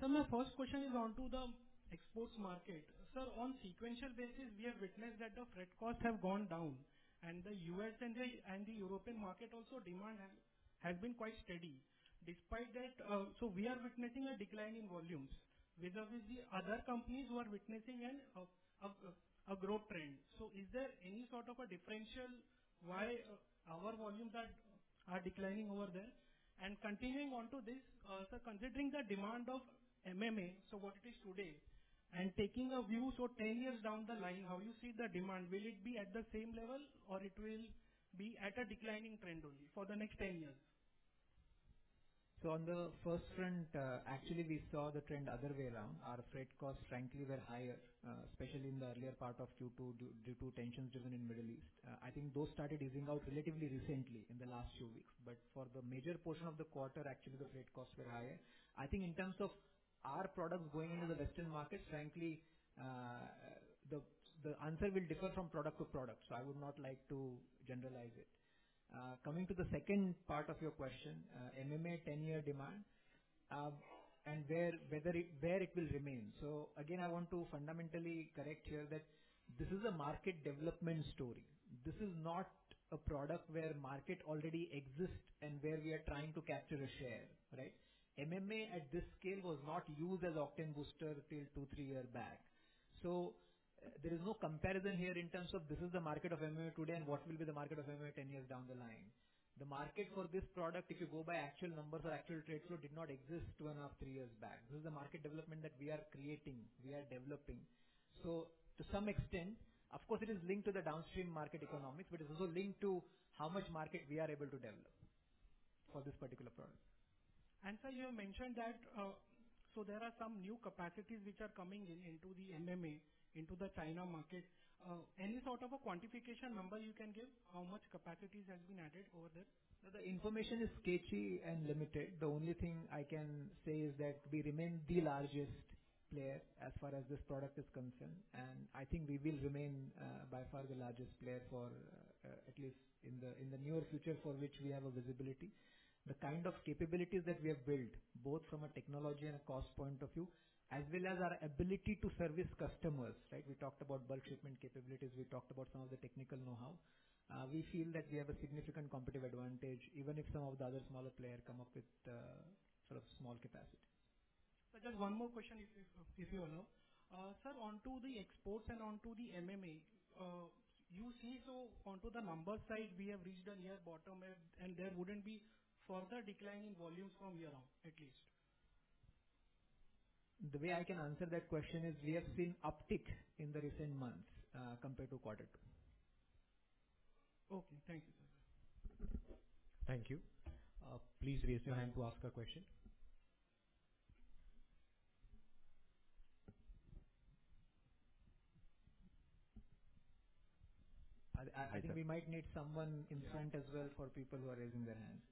Sir, my first question is onto the exports market. Sir, on sequential basis, we have witnessed that the freight costs have gone down, and the U.S. and the European market also demand has been quite steady. Despite that, so we are witnessing a decline in volumes vis-à-vis the other companies who are witnessing a growth trend. Is there any sort of a differential why our volumes are declining over there? And continuing onto this, sir, considering the demand of MMA, so what it is today, and taking a view so 10 years down the line, how you see the demand, will it be at the same level or it will be at a declining trend only for the next 10 years? On the first front, actually, we saw the trend other way around. Our freight costs frankly were higher, especially in the earlier part of Q2 due to tensions in the Middle East. I think those started easing out relatively recently in the last few weeks. But for the major portion of the quarter, actually, the freight costs were higher. I think in terms of our products going into the Western market, frankly, the answer will differ from product to product. So I would not like to generalize it. Coming to the second part of your question, MMA 10-year demand and where it will remain. So again, I want to fundamentally correct here that this is a market development story. This is not a product where market already exists and where we are trying to capture a share, right? MMA at this scale was not used as an octane booster till two, three years back. So there is no comparison here in terms of this is the market of MMA today and what will be the market of MMA 10 years down the line. The market for this product, if you go by actual numbers or actual trade flow, did not exist two and a half, three years back. This is the market development that we are creating, we are developing. So to some extent, of course, it is linked to the downstream market economics, but it is also linked to how much market we are able to develop for this particular product. And sir, you mentioned that so there are some new capacities which are coming into the MMA, into the China market. Any sort of a quantification number you can give how much capacities have been added over there? The information is sketchy and limited. The only thing I can say is that we remain the largest player as far as this product is concerned. And I think we will remain by far the largest player for at least in the near future for which we have a visibility. The kind of capabilities that we have built, both from a technology and a cost point of view, as well as our ability to service customers, right? We talked about bulk shipment capabilities. We talked about some of the technical know-how. We feel that we have a significant competitive advantage even if some of the other smaller players come up with sort of small capacity, so just one more question if you allow. Sir, onto the exports and onto the MMA, you see, so onto the numbers side, we have reached a near bottom and there wouldn't be further decline in volumes from year on year at least. The way I can answer that question is we have seen uptick in the recent months compared to quarter two. Okay. Thank you, sir. Thank you. Please raise your hand to ask a question. I think we might need someone in front as well for people who are raising their hands.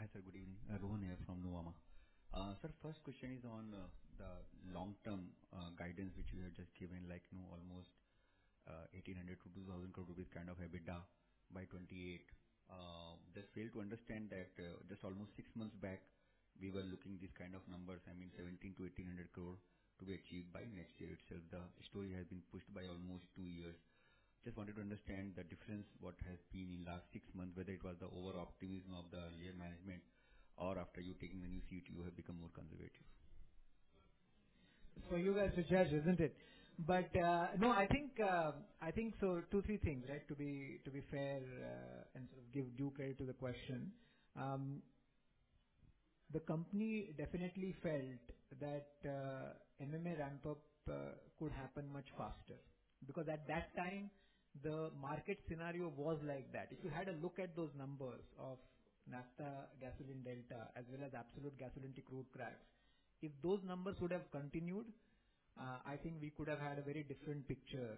Hi, sir. Good evening. Rohan here from Nuvama. Sir, first question is on the long-term guidance which we have just given, like almost 1,800-2,000 crore rupees kind of EBITDA by 28. I just failed to understand that just almost six months back, we were looking these kind of numbers, I mean 1,700-1,800 crore to be achieved by next year itself. The story has been pushed by almost two years. Just wanted to understand the difference what has been in last six months, whether it was the over-optimism of the earlier management or after you taking the new seat, you have become more conservative. So you guys are judges, isn't it? But no, I think so two, three things, right? To be fair and sort of give due credit to the question. The company definitely felt that MMA ramp-up could happen much faster because at that time, the market scenario was like that. If you had a look at those numbers of naphtha gasoline delta as well as absolute gasoline to crude cracks, if those numbers would have continued, I think we could have had a very different picture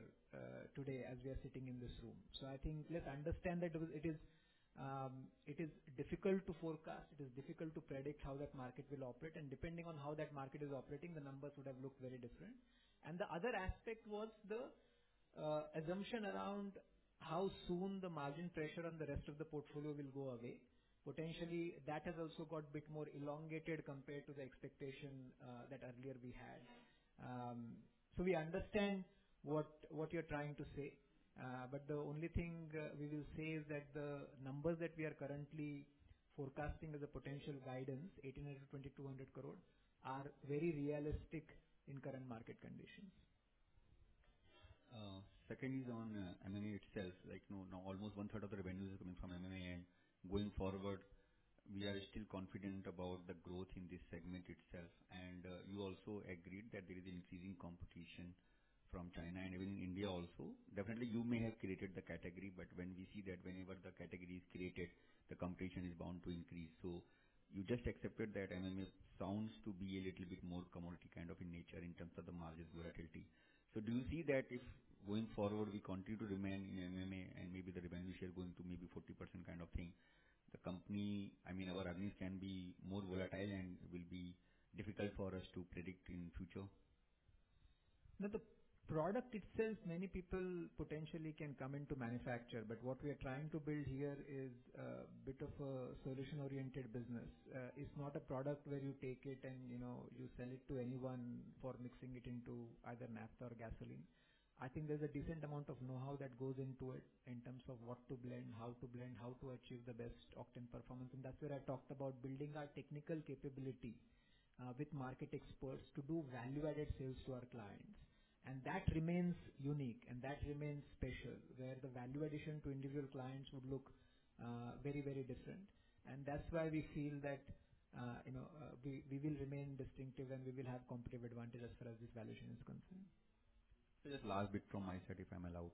today as we are sitting in this room, so I think let's understand that it is difficult to forecast. It is difficult to predict how that market will operate, and depending on how that market is operating, the numbers would have looked very different, and the other aspect was the assumption around how soon the margin pressure on the rest of the portfolio will go away. Potentially, that has also got a bit more elongated compared to the expectation that earlier we had, so we understand what you're trying to say. But the only thing we will say is that the numbers that we are currently forecasting as a potential guidance, 1,800-2,200 crore, are very realistic in current market conditions. Second is on MMA itself. Almost one-third of the revenues are coming from MMA, and going forward, we are still confident about the growth in this segment itself, and you also agreed that there is increasing competition from China and even India also. Definitely, you may have created the category, but when we see that whenever the category is created, the competition is bound to increase, so you just accepted that MMA sounds to be a little bit more commodity kind of in nature in terms of the margin volatility. So do you see that if going forward, we continue to remain in MMA and maybe the revenue share going to maybe 40% kind of thing, the company, I mean, our earnings can be more volatile and will be difficult for us to predict in the future? The product itself, many people potentially can come in to manufacture. But what we are trying to build here is a bit of a solution-oriented business. It's not a product where you take it and you sell it to anyone for mixing it into either naphtha or gasoline. I think there's a decent amount of know-how that goes into it in terms of what to blend, how to blend, how to achieve the best octane performance. And that's where I talked about building our technical capability with market experts to do value-added sales to our clients. That remains unique and that remains special where the value addition to individual clients would look very, very different. That's why we feel that we will remain distinctive and we will have competitive advantage as far as this valuation is concerned. Just last bit from my side if I'm allowed.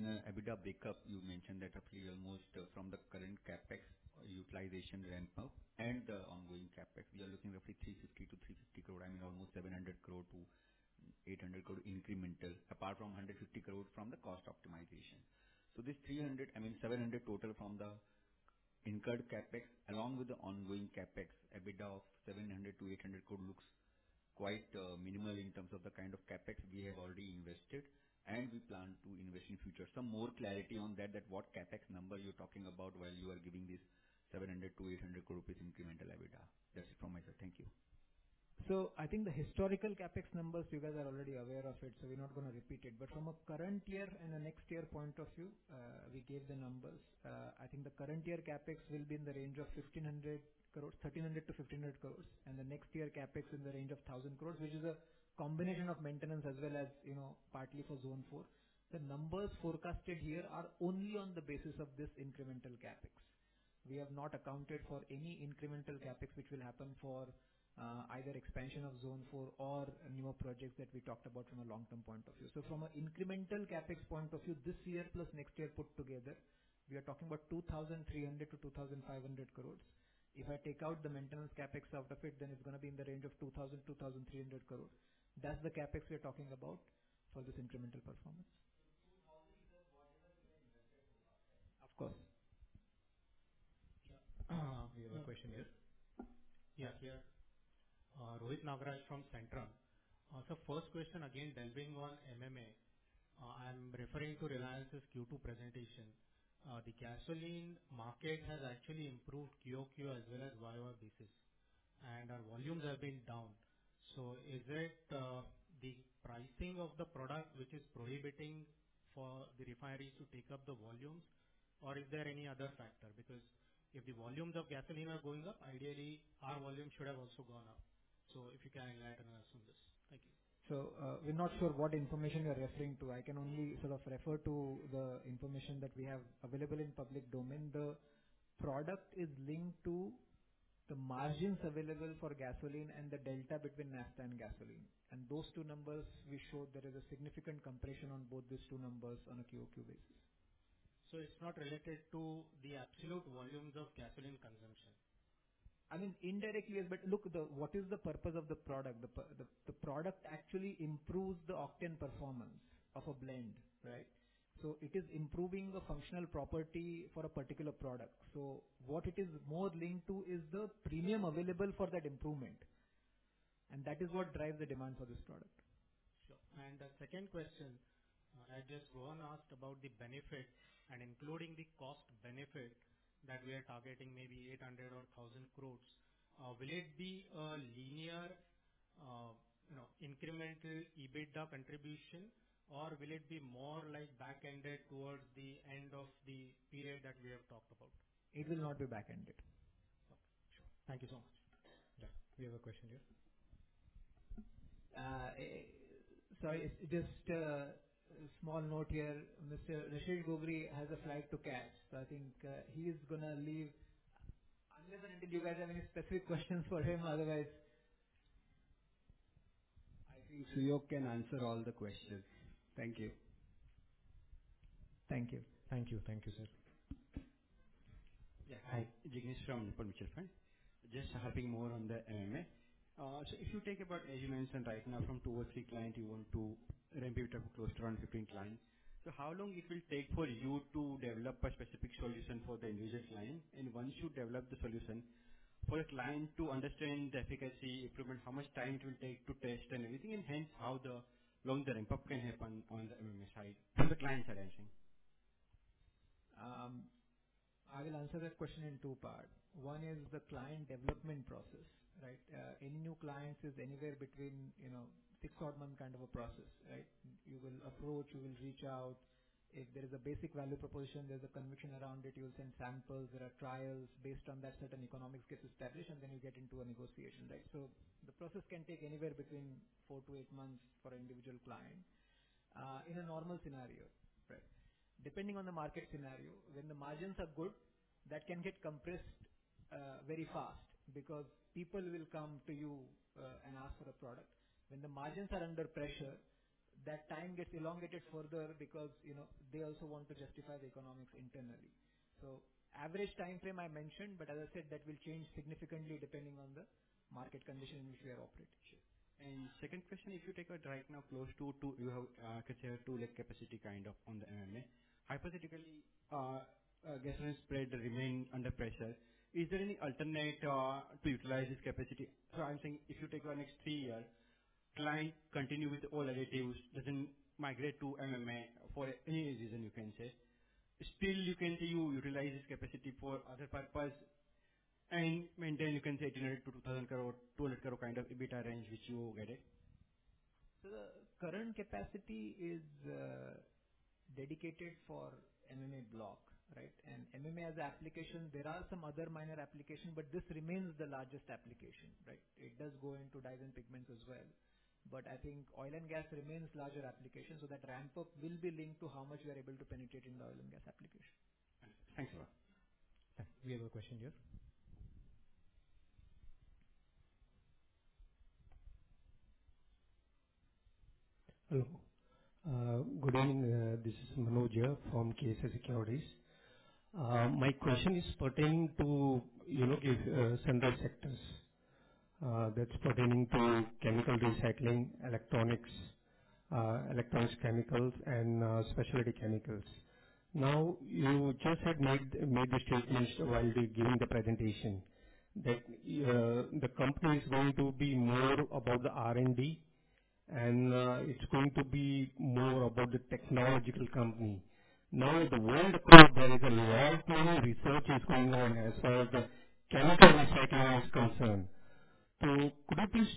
In an EBITDA breakup, you mentioned that roughly almost from the current CapEx utilization ramp-up and the ongoing CapEx, we are looking roughly 350-350 crore, I mean almost 700-800 crore incremental apart from 150 crore from the cost optimization. This 300, I mean 700 total from the incurred CapEx along with the ongoing CapEx, EBITDA of 700-800 crore looks quite minimal in terms of the kind of CapEx we have already invested and we plan to invest in future. Some more clarity on that, what CapEx number you're talking about while you are giving this 700-800 crore rupees incremental EBITDA? That's it from my side. Thank you. So I think the historical CapEx numbers, you guys are already aware of it, so we're not going to repeat it. But from a current year and a next year point of view, we gave the numbers. I think the current year CapEx will be in the range of 1,300-1,500 crores. And the next year CapEx in the range of 1,000 crores, which is a combination of maintenance as well as partly for Zone 4. The numbers forecasted here are only on the basis of this incremental CapEx. We have not accounted for any incremental CapEx which will happen for either expansion of Zone 4 or newer projects that we talked about from a long-term point of view. So from an incremental CapEx point of view, this year plus next year put together, we are talking about 2,300 to 2,500 crores. If I take out the maintenance CapEx out of it, then it's going to be in the range of 2,000 to 2,300 crore. That's the CapEx we are talking about for this incremental performance. So INR 2,000 is whatever you have invested to that, right? Of course. Yeah. We have a question here. Yes, here. Rohit Nagraj from Centrum. So first question, again, delving on MMA. I'm referring to Reliance's Q2 presentation. The gasoline market has actually improved QOQ as well as YoY basis. And our volumes have been down. So is it the pricing of the product which is prohibiting for the refineries to take up the volumes, or is there any other factor? Because if the volumes of gasoline are going up, ideally, our volumes should have also gone up. So if you can enlighten us on this. Thank you. So we're not sure what information you're referring to. I can only sort of refer to the information that we have available in public domain. The product is linked to the margins available for gasoline and the delta between naphtha and gasoline. And those two numbers, we showed there is a significant compression on both these two numbers on a QOQ basis. So it's not related to the absolute volumes of gasoline consumption? I mean, indirectly yes, but look, what is the purpose of the product? The product actually improves the octane performance of a blend, right? So it is more linked to is the premium available for that improvement. And that is what drives the demand for this product. Sure. And the second question, as just Rohan asked about the benefit and including the cost benefit that we are targeting maybe 800 crore or 1,000 crore, will it be a linear incremental EBITDA contribution, or will it be more like back-ended towards the end of the period that we have talked about? It will not be back-ended. Okay. Sure. Thank you so much. Yeah. We have a question here. Sorry, just a small note here. Mr. Rashesh Gogri has a flight to catch. So I think he is going to leave unless you guys have any specific questions for him, otherwise. I think Suyog can answer all the questions. Thank you. Thank you. Thank you. Thank you, sir. Yeah. Hi. Jignesh from Nippon Mutual Fund, fine. Just helping more on the MMA. So if you talk about, as you mentioned, right now from two or three clients, you want to ramp it up close to 115 clients. So how long it will take for you to develop a specific solution for the individual client? And once you develop the solution, for the client to understand the efficacy improvement, how much time it will take to test and everything, and hence how the long-term ramp-up can happen on the MMA side from the client's side, I think? I will answer that question in two parts. One is the client development process, right? Any new clients is anywhere between six to 12 months kind of a process, right? You will approach, you will reach out. If there is a basic value proposition, there's a conviction around it, you'll send samples, there are trials based on that certain economics gets established, and then you get into a negotiation, right? So the process can take anywhere between four to eight months for an individual client in a normal scenario, right? Depending on the market scenario, when the margins are good, that can get compressed very fast because people will come to you and ask for the product. When the margins are under pressure, that time gets elongated further because they also want to justify the economics internally. So average time frame I mentioned, but as I said, that will change significantly depending on the market condition in which we are operating. Sure. And second question, if you take out right now close to two lakh you have considered two lakh capacity kind of on the MMA. Hypothetically, gasoline spread remains under pressure. Is there any alternative to utilize this capacity? So I'm saying if you take the next three years, clients continue with all additives, doesn't migrate to MMA for any reason you can say, still you can say you utilize this capacity for other purpose and maintain, you can say, 1,800 crore-2,000 crore, 200 crore kind of EBITDA range which you will get it? So the current capacity is dedicated for MMA block, right? And MMA as an application, there are some other minor applications, but this remains the largest application, right? It does go into dyes and pigments as well. But I think oil and gas remains larger application. So that ramp-up will be linked to how much we are able to penetrate in the oil and gas application. Thanks. Thanks, sir. We have a question here. Hello. Good evening. This is Manoj here from uncertain. My question is pertaining to three central sectors. That's pertaining to chemical recycling, electronics, electronics chemicals, and specialty chemicals. Now, you just had made the statements while giving the presentation that the company is going to be more about the R&D and it's going to be more about the technological company. Now, the world across, there is a lot of research is going on as far as the chemical recycling is concerned. So could you please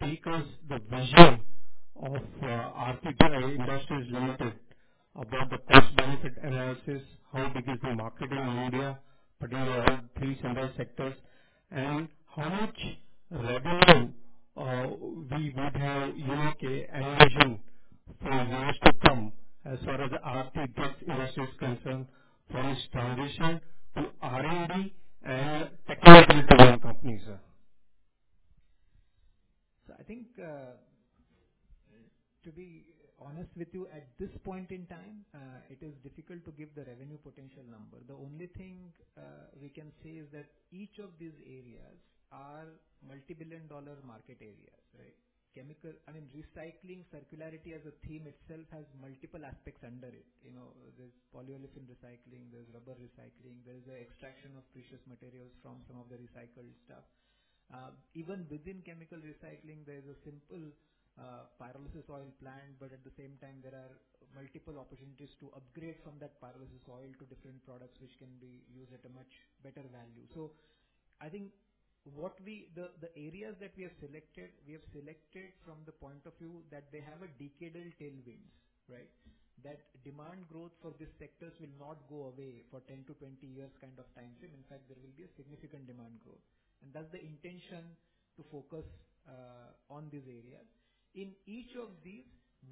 take us the vision of Aarti Industries Limited about the cost-benefit analysis, how big is the market in India, particularly all three central sectors, and how much revenue we would have accretion for years to come as far as Aarti Industries is concerned for its transition to R&D and technical companies? So I think, to be honest with you, at this point in time, it is difficult to give the revenue potential number. The only thing we can say is that each of these areas are multi-billion dollar market areas, right? Chemical, I mean, recycling circularity as a theme itself has multiple aspects under it. There's polyolefin recycling, there's rubber recycling, there is an extraction of precious materials from some of the recycled stuff. Even within chemical recycling, there is a simple pyrolysis oil plant, but at the same time, there are multiple opportunities to upgrade from that pyrolysis oil to different products which can be used at a much better value. So I think the areas that we have selected, we have selected from the point of view that they have a decadal tailwinds, right? That demand growth for these sectors will not go away for 10 to 20 years kind of time frame. In fact, there will be a significant demand growth. And that's the intention to focus on these areas. In each of these,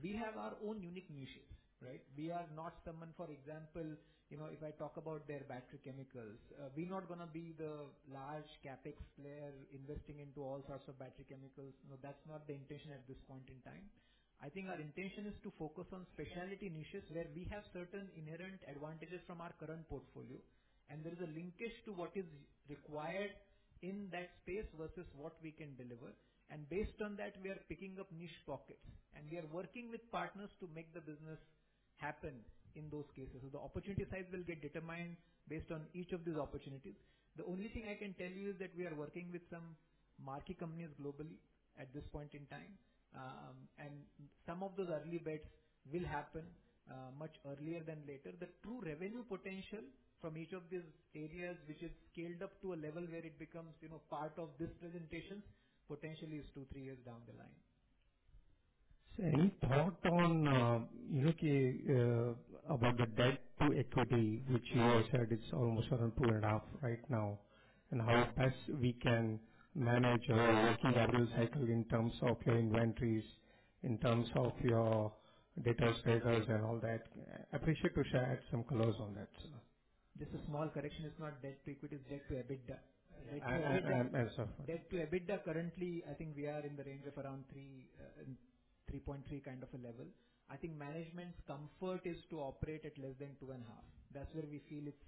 we have our own unique niches, right? We are not someone, for example, if I talk about their battery chemicals, we're not going to be the large CapEx player investing into all sorts of battery chemicals. That's not the intention at this point in time. I think our intention is to focus on specialty niches where we have certain inherent advantages from our current portfolio. And there is a linkage to what is required in that space versus what we can deliver. And based on that, we are picking up niche pockets. And we are working with partners to make the business happen in those cases. So the opportunity size will get determined based on each of these opportunities. The only thing I can tell you is that we are working with some marquee companies globally at this point in time. And some of those early bets will happen much earlier than later. The true revenue potential from each of these areas, which is scaled up to a level where it becomes part of this presentation, potentially is two, three years down the line. Sir, any thought on about the debt to equity, which you said it's almost around two and a half right now, and how best we can manage your working capital cycle in terms of your inventories, in terms of your debtors and all that? Appreciate to share some colors on that, sir. Just a small correction. It's not debt to equity, it's debt to EBITDA. Debt to EBITDA currently, I think we are in the range of around 3.3 kind of a level. I think management's comfort is to operate at less than two and a half. That's where we feel it's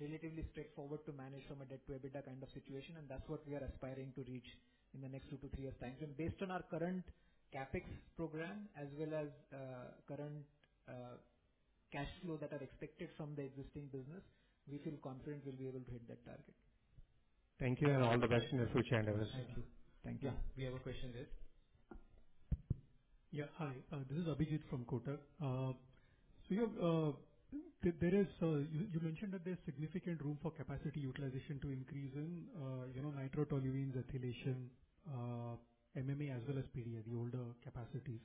relatively straightforward to manage from a debt to EBITDA kind of situation. And that's what we are aspiring to reach in the next two to three years' time frame. Based on our current CapEx program as well as current cash flow that are expected from the existing business, we feel confident we'll be able to hit that target. Thank you. And all the questioners will chat over. Thank you. Thank you. Yeah. We have a question there. Yeah. Hi. This is Abhijit from Kotak. So there is, you mentioned that there's significant room for capacity utilization to increase in nitrotoluenes, ethylation, MMA, as well as PDCB, the older capacities.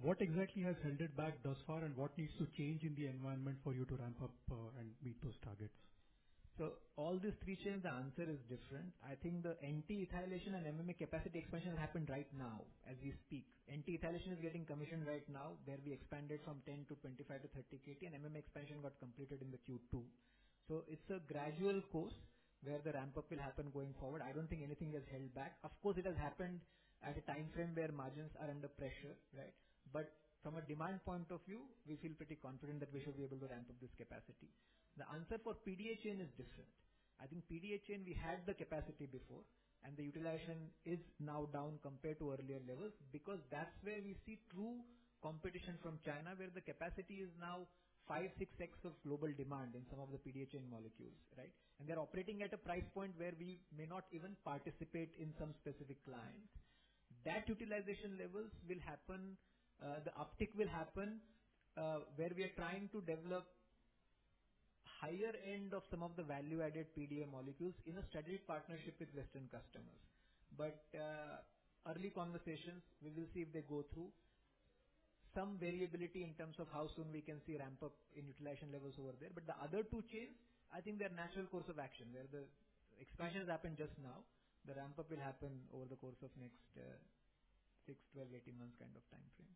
What exactly has held it back thus far, and what needs to change in the environment for you to ramp up and meet those targets? So all these three chains, the answer is different. I think the NT ethylation and MMA capacity expansion is happening right now as we speak. NT ethylation is getting commissioned right now, where we expanded from 10 to 25 to 30 KT, and MMA expansion got completed in the Q2. So it's a gradual course where the ramp-up will happen going forward. I don't think anything has held back. Of course, it has happened at a time frame where margins are under pressure, right? But from a demand point of view, we feel pretty confident that we should be able to ramp up this capacity. The answer for PDCB chain is different. I think PDCB chain, we had the capacity before, and the utilization is now down compared to earlier levels because that's where we see true competition from China, where the capacity is now five, six X of global demand in some of the PDCB chain molecules, right, and they're operating at a price point where we may not even participate in some specific client. That utilization levels will happen. The uptick will happen where we are trying to develop higher end of some of the value-added PDCB molecules in a strategic partnership with Western customers. Early conversations, we will see if they go through some variability in terms of how soon we can see ramp-up in utilization levels over there. The other two chains, I think they're a natural course of action. Where the expansion has happened just now, the ramp-up will happen over the course of next 6, 12, 18 months kind of time frame.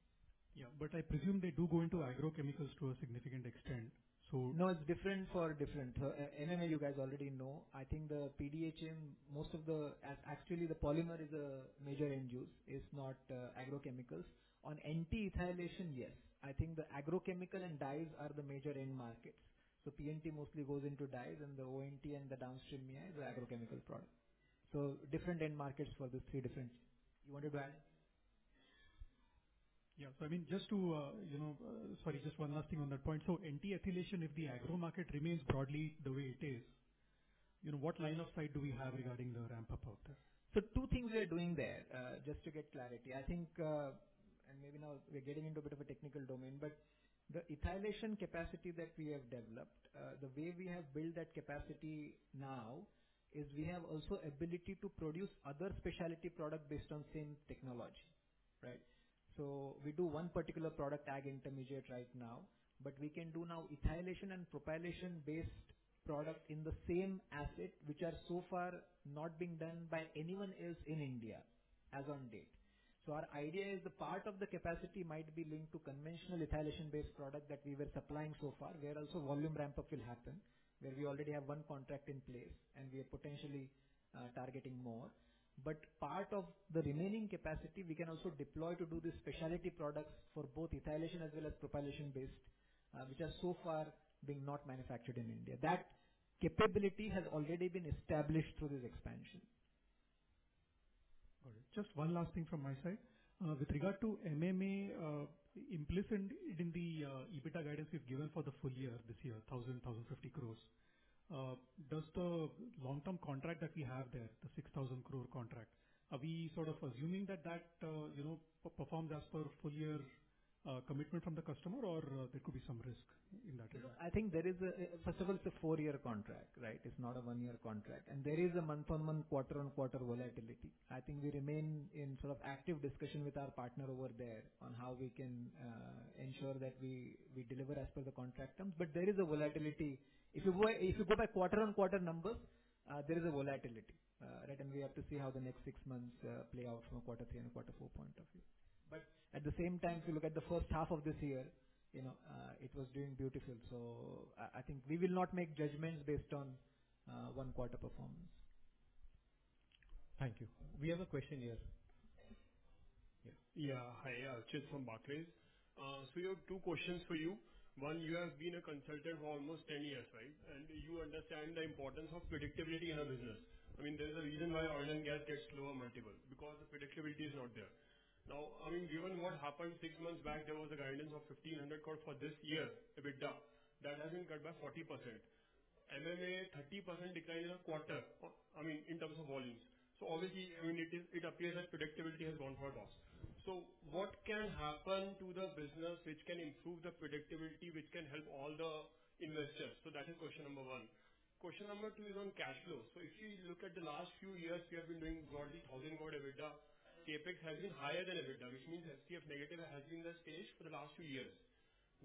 Yeah. But I presume they do go into agrochemicals to a significant extent. So no, it's different for different. MMA, you guys already know. I think the PDCB chain, most of the actually, the polymer is a major end use. It's not agrochemicals. On NT ethylation, yes. I think the agrochemical and dyes are the major end markets. So PNT mostly goes into dyes, and the ONT and the downstream MEA is an agrochemical product. So different end markets for these three different. You wanted to add? Yeah. So I mean, just sorry, just one last thing on that point. So NT ethylation, if the agro market remains broadly the way it is, what line of sight do we have regarding the ramp-up out there? So two things we are doing there, just to get clarity. I think, and maybe now we're getting into a bit of a technical domain, but the ethylation capacity that we have developed, the way we have built that capacity now is we have also the ability to produce other specialty products based on the same technology, right? So we do one particular product, ag intermediate right now, but we can do now ethylation and propylation-based products in the same asset, which are so far not being done by anyone else in India as of date. So our idea is the part of the capacity might be linked to conventional ethylation-based products that we were supplying so far, where also volume ramp-up will happen, where we already have one contract in place, and we are potentially targeting more. But part of the remaining capacity, we can also deploy to do these specialty products for both ethylation as well as propylation-based, which are so far being not manufactured in India. That capability has already been established through this expansion. Got it. Just one last thing from my side. With regard to MMA, implicit in the EBITDA guidance we've given for the full year this year, 1,000-1,050 crore, does the long-term contract that we have there, the 6,000 crore contract, are we sort of assuming that that performs as per full-year commitment from the customer, or there could be some risk in that area? I think there is a first of all, it's a four-year contract, right? It's not a one-year contract. And there is a month-on-month, quarter-on-quarter volatility. I think we remain in sort of active discussion with our partner over there on how we can ensure that we deliver as per the contract terms. But there is a volatility. If you go by quarter-on-quarter numbers, there is a volatility, right? And we have to see how the next six months play out from a quarter three and a quarter four point of view. But at the same time, if you look at the first half of this year, it was doing beautiful. So I think we will not make judgments based on one-quarter performance. Thank you. We have a question here. Yeah. Hi. uncertain from Barclays. So we have two questions for you. One, you have been a consultant for almost 10 years, right? And you understand the importance of predictability in a business. I mean, there is a reason why oil and gas gets lower multiple because the predictability is not there. Now, I mean, given what happened six months back, there was a guidance of 1,500 crore for this year, EBITDA. That hasn't cut by 40%. MMA, 30% decline in a quarter, I mean, in terms of volumes. So obviously, I mean, it appears that predictability has gone for a loss. So what can happen to the business which can improve the predictability, which can help all the investors? So that is question number one. Question number two is on cash flow. So if you look at the last few years, we have been doing broadly 1,000 crore EBITDA. CapEx has been higher than EBITDA, which means FCF negative has been the case for the last few years.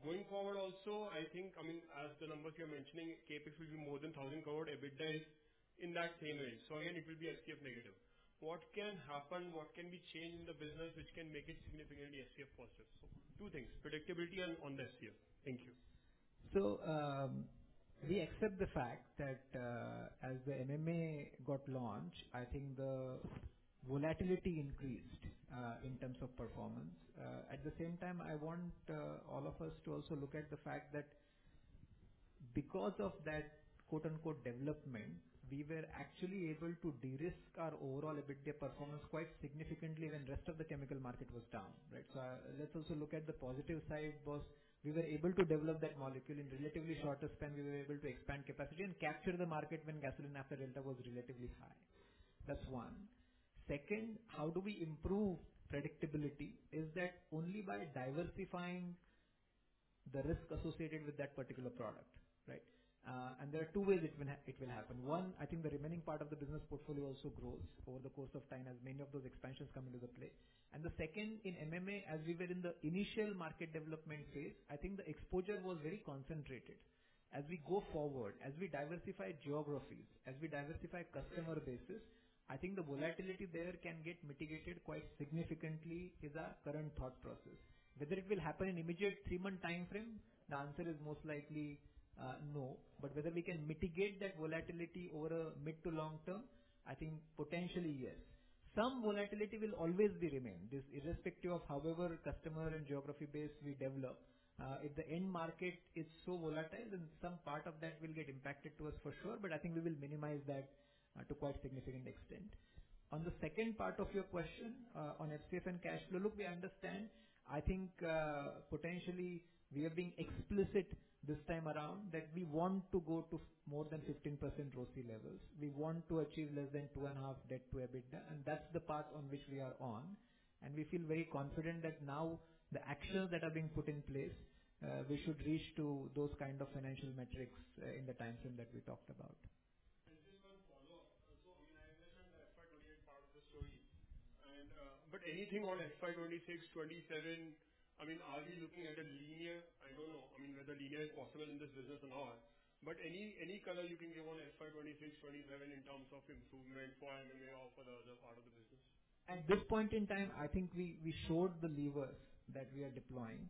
Going forward also, I think, I mean, as the numbers you're mentioning, CapEx will be more than 1,000 crore. EBITDA is in that same range. So again, it will be FCF negative. What can happen? What can be changed in the business which can make it significantly FCF positive? So two things, predictability and on the FCF. Thank you. So we accept the fact that as the MMA got launched, I think the volatility increased in terms of performance. At the same time, I want all of us to also look at the fact that because of that "development," we were actually able to de-risk our overall EBITDA performance quite significantly when the rest of the chemical market was down, right? So let's also look at the positive side, boss. We were able to develop that molecule in a relatively shorter span. We were able to expand capacity and capture the market when gasoline-naphtha delta was relatively high. That's one. Second, how do we improve predictability? Is that only by diversifying the risk associated with that particular product, right? And there are two ways it will happen. One, I think the remaining part of the business portfolio also grows over the course of time as many of those expansions come into play. And the second, in MMA, as we were in the initial market development phase, I think the exposure was very concentrated. As we go forward, as we diversify geographies, as we diversify customer bases, I think the volatility there can get mitigated quite significantly, is our current thought process. Whether it will happen in immediate three-month time frame, the answer is most likely no. But whether we can mitigate that volatility over a mid to long term, I think potentially yes. Some volatility will always remain, irrespective of however customer and geography base we develop. If the end market is so volatile, then some part of that will get impacted to us for sure. But I think we will minimize that to quite significant extent. On the second part of your question on SCF and cash flow, look, we understand, I think potentially we are being explicit this time around that we want to go to more than 15% ROCE levels. We want to achieve less than two and a half debt to EBITDA. And that's the path on which we are on. We feel very confident that now the actions that are being put in place, we should reach to those kind of financial metrics in the time frame that we talked about. And just one follow-up. So I understand the FY 2028 part of the story. But anything on FY 2026, 2027, I mean, are we looking at a linear? I don't know. I mean, whether linear is possible in this business or not. But any color you can give on FY 2026, 2027 in terms of improvement for MMA or for the other part of the business? At this point in time, I think we showed the levers that we are deploying.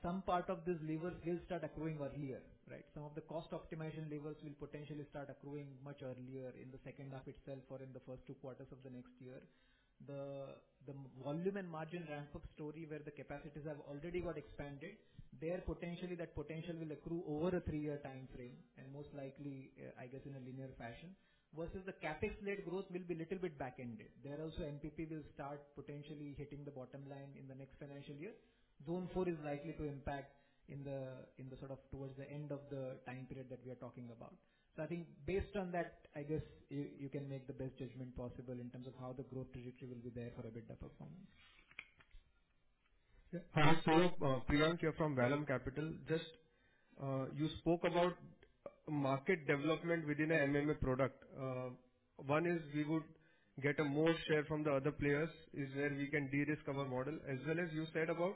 Some part of these levers will start accruing earlier, right? Some of the cost optimization levers will potentially start accruing much earlier in the second half itself or in the first two quarters of the next year. The volume and margin ramp-up story where the capacities have already got expanded, there potentially that potential will accrue over a three-year time frame, and most likely, I guess, in a linear fashion. Versus, the CapEx-led growth will be a little bit back-ended. There also, MPP will start potentially hitting the bottom line in the next financial year. Zone 4 is likely to impact in the sort of towards the end of the time period that we are talking about. So I think based on that, I guess you can make the best judgment possible in terms of how the growth trajectory will be there for EBITDA performance. Yeah. Hi, Suyog. Priyank here from Vellum Capital. Just, you spoke about market development within an MMA product. One is we would get a more share from the other players is where we can de-risk our model. As well as you said about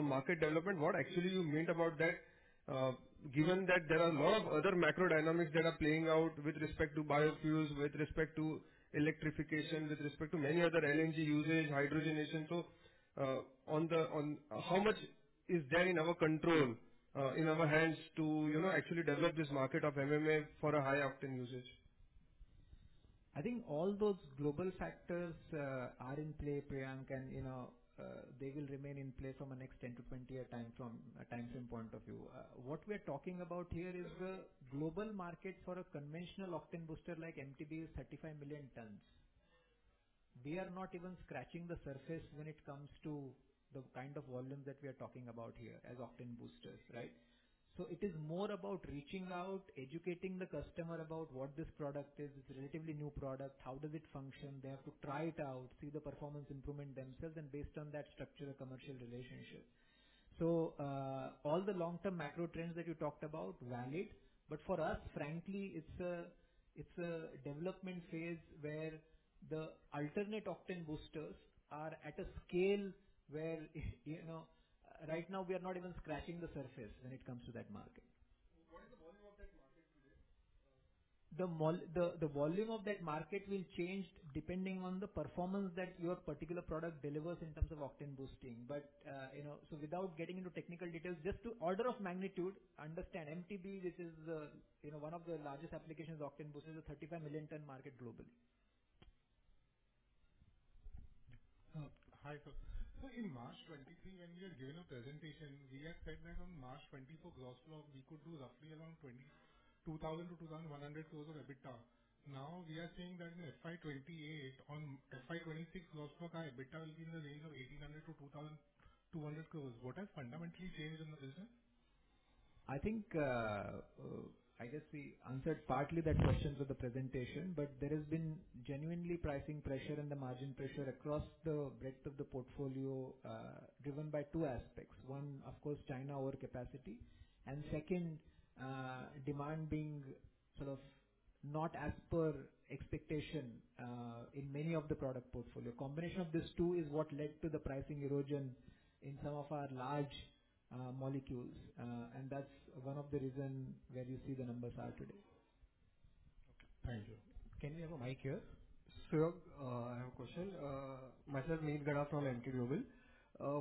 market development, what actually you meant about that? Given that there are a lot of other macro dynamics that are playing out with respect to biofuels, with respect to electrification, with respect to many other LNG usage, hydrogenation. So how much is there in our control, in our hands to actually develop this market of MMA for a high-octane usage? I think all those global factors are in play, Priyank, and they will remain in play from a next 10- to 20-year time frame point of view. What we are talking about here is the global market for a conventional octane booster like MTBE is 35 million tons. We are not even scratching the surface when it comes to the kind of volumes that we are talking about here as octane boosters, right? So it is more about reaching out, educating the customer about what this product is. It's a relatively new product. How does it function? They have to try it out, see the performance improvement themselves, and based on that, structure a commercial relationship. So all the long-term macro trends that you talked about, valid. But for us, frankly, it's a development phase where the alternate octane boosters are at a scale where right now we are not even scratching the surface when it comes to that market. What is the volume of that market today? The volume of that market will change depending on the performance that your particular product delivers in terms of octane boosting. But so without getting into technical details, just to order of magnitude, understand MTBE, which is one of the largest applications of octane booster, is a 35 million-ton market globally. Hi, sir So in March 2023, when we had given a presentation, we had said that on March 2024, gross block, we could do roughly around 2,000-2,100 crores of EBITDA. Now we are saying that in FY 2028, on FY 2026, gross block, our EBITDA will be in the range of 1,800-2,200 crores. What has fundamentally changed in the business? I guess we answered partly that question through the presentation, but there has been genuinely pricing pressure and the margin pressure across the breadth of the portfolio driven by two aspects. One, of course, China overcapacity. And second, demand being sort of not as per expectation in many of the product portfolio. Combination of these two is what led to the pricing erosion in some of our large molecules. And that's one of the reasons where you see the numbers are today. Okay. Thank you. Can we have a mic here? Suyog, I have a question. Myself, Meet Gada from Emkay Global.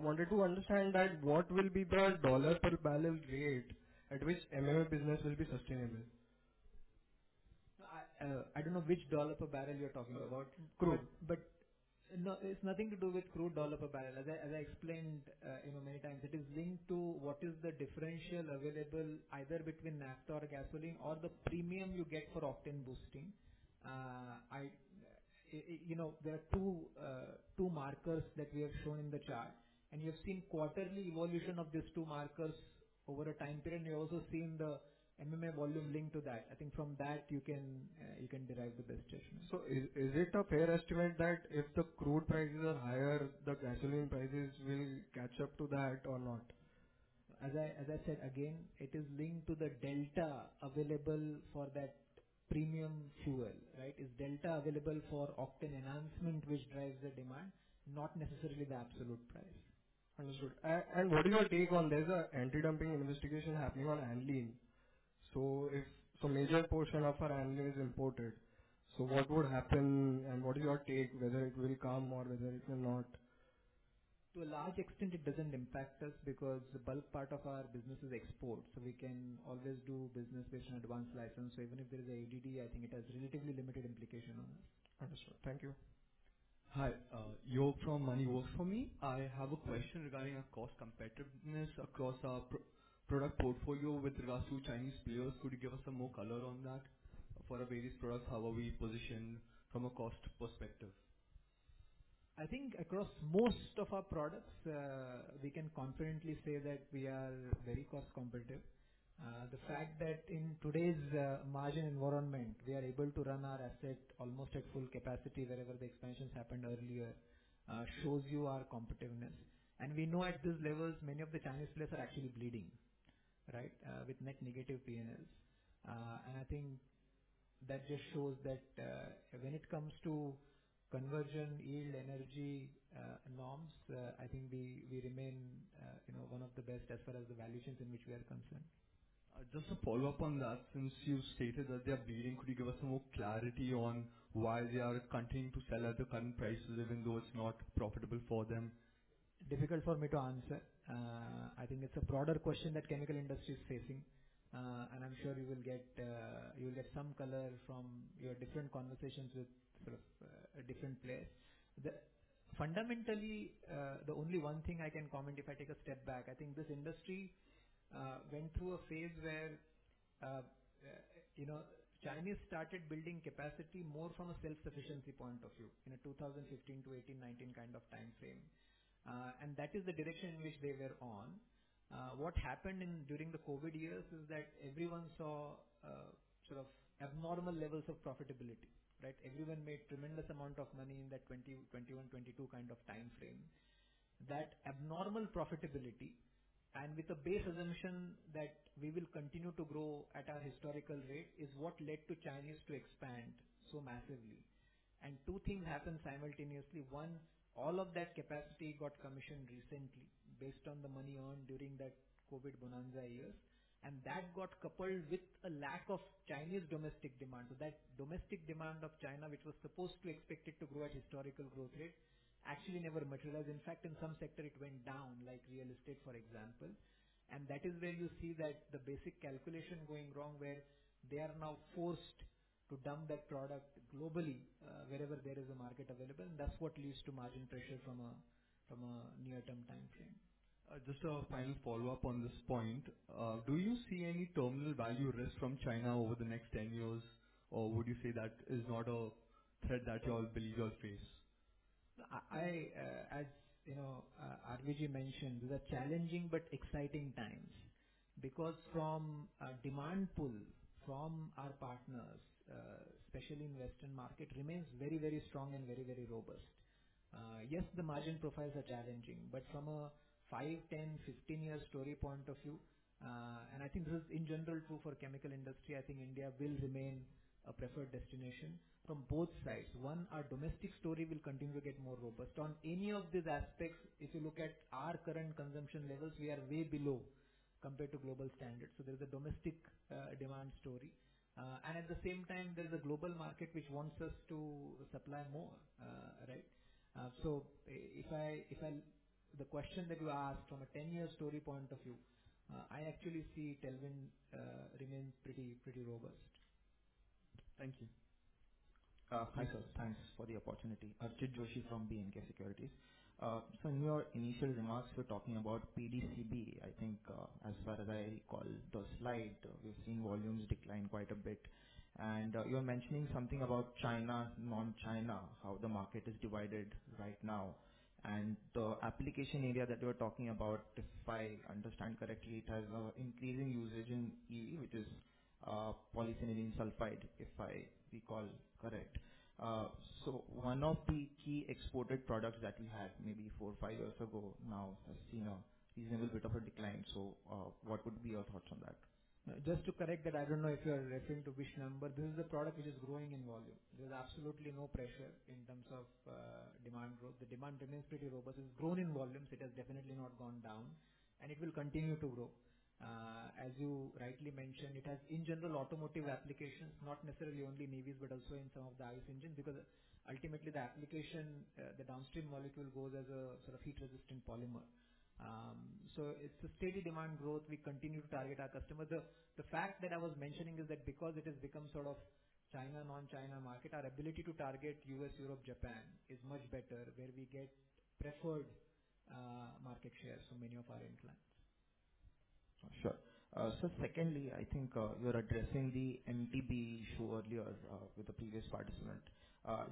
Wanted to understand that what will be the dollar per barrel rate at which MMA business will be sustainable? I don't know which dollar per barrel you're talking about. Crore. But it's nothing to do with crore dollar per barrel. As I explained many times, it is linked to what is the differential available either between naphtha or gasoline or the premium you get for octane boosting. There are two markers that we have shown in the chart, and you have seen quarterly evolution of these two markers over a time period, and you've also seen the MMA volume linked to that. I think from that, you can derive the best judgment. So is it a fair estimate that if the crude prices are higher, the gasoline prices will catch up to that or not? As I said, again, it is linked to the delta available for that premium fuel, right? The delta available for octane enhancement, which drives the demand? Not necessarily the absolute price. Understood. And what is your take on there's an anti-dumping investigation happening on aniline? So if some major portion of our aniline is imported, so what would happen and what is your take whether it will come or whether it will not? To a large extent, it doesn't impact us because the bulk part of our business is export. So we can always do business based on advanced license. So even if there is an ADD, I think it has relatively limited implication on us. Understood. Thank you. Hi. Yog from MoneyWorks4me. I have a question regarding our cost competitiveness across our product portfolio with regards to Chinese players. Could you give us some more color on that for our various products, how are we positioned from a cost perspective? I think across most of our products, we can confidently say that we are very cost competitive. The fact that in today's margin environment, we are able to run our asset almost at full capacity wherever the expansions happened earlier shows you our competitiveness. And we know at these levels, many of the Chinese players are actually bleeding, right, with net negative P&Ls. And I think that just shows that when it comes to conversion, yield, energy norms, I think we remain one of the best as far as the valuations in which we are concerned. Just a follow-up on that. Since you stated that they are bleeding, could you give us some more clarity on why they are continuing to sell at the current prices even though it's not profitable for them? Difficult for me to answer. I think it's a broader question that chemical industry is facing, and I'm sure you will get some color from your different conversations with sort of different players. Fundamentally, the only one thing I can comment, if I take a step back, I think this industry went through a phase where Chinese started building capacity more from a self-sufficiency point of view in a 2015 to 2018, 2019 kind of time frame, and that is the direction in which they were on. What happened during the COVID years is that everyone saw sort of abnormal levels of profitability, right? Everyone made tremendous amounts of money in that 2021, 2022 kind of time frame. That abnormal profitability and with the base assumption that we will continue to grow at our historical rate is what led to Chinese to expand so massively. And two things happened simultaneously. One, all of that capacity got commissioned recently based on the money earned during that COVID bonanza years. And that got coupled with a lack of Chinese domestic demand. So that domestic demand of China, which was supposed to expect it to grow at historical growth rate, actually never materialized. In fact, in some sector, it went down like real estate, for example. And that is where you see that the basic calculation going wrong where they are now forced to dump that product globally wherever there is a market available. And that's what leads to margin pressure from a near-term time frame. Just a final follow-up on this point. Do you see any terminal value risk from China over the next 10 years? Or would you say that is not a threat that you all believe you'll face? As RVG mentioned, these are challenging but exciting times because from demand pull from our partners, especially in the Western market, remains very, very robust. Yes, the margin profiles are challenging. But from a 5-, 10-, 15-year story point of view, and I think this is in general true for chemical industry, I think India will remain a preferred destination from both sides. One, our domestic story will continue to get more robust. On any of these aspects, if you look at our current consumption levels, we are way below compared to global standards. So there is a domestic demand story. At the same time, there is a global market which wants us to supply more, right? So if I, the question that you asked from a 10-year story point of view, I actually see the NT remain pretty robust. Thank you. Hi, sir. Thanks for the opportunity. Archit Joshi from B&K Securities. So in your initial remarks, you're talking about PDCB, I think, as far as I recall the slide. We've seen volumes decline quite a bit. And you were mentioning something about China, non-China, how the market is divided right now. And the application area that you were talking about, if I understand correctly, it has increasing usage in EV, which is polyphenylene sulfide, if I recall correct. So one of the key exported products that we had maybe four or five years ago now has seen a reasonable bit of a decline. So what would be your thoughts on that? Just to correct that, I don't know if you're referring to which number. This is a product which is growing in volume. There is absolutely no pressure in terms of demand growth. The demand remains pretty robust. It has grown in volumes. It has definitely not gone down. And it will continue to grow. As you rightly mentioned, it has in general automotive applications, not necessarily only NEVs, but also in some of the ICE engines because ultimately the application, the downstream molecule goes as a sort of heat-resistant polymer. So it's a steady demand growth. We continue to target our customers. The fact that I was mentioning is that because it has become sort of China non-China market, our ability to target US, Europe, Japan is much better where we get preferred market shares for many of our end clients. Sure. So, secondly, I think you were addressing the MTBE issue earlier with the previous participant.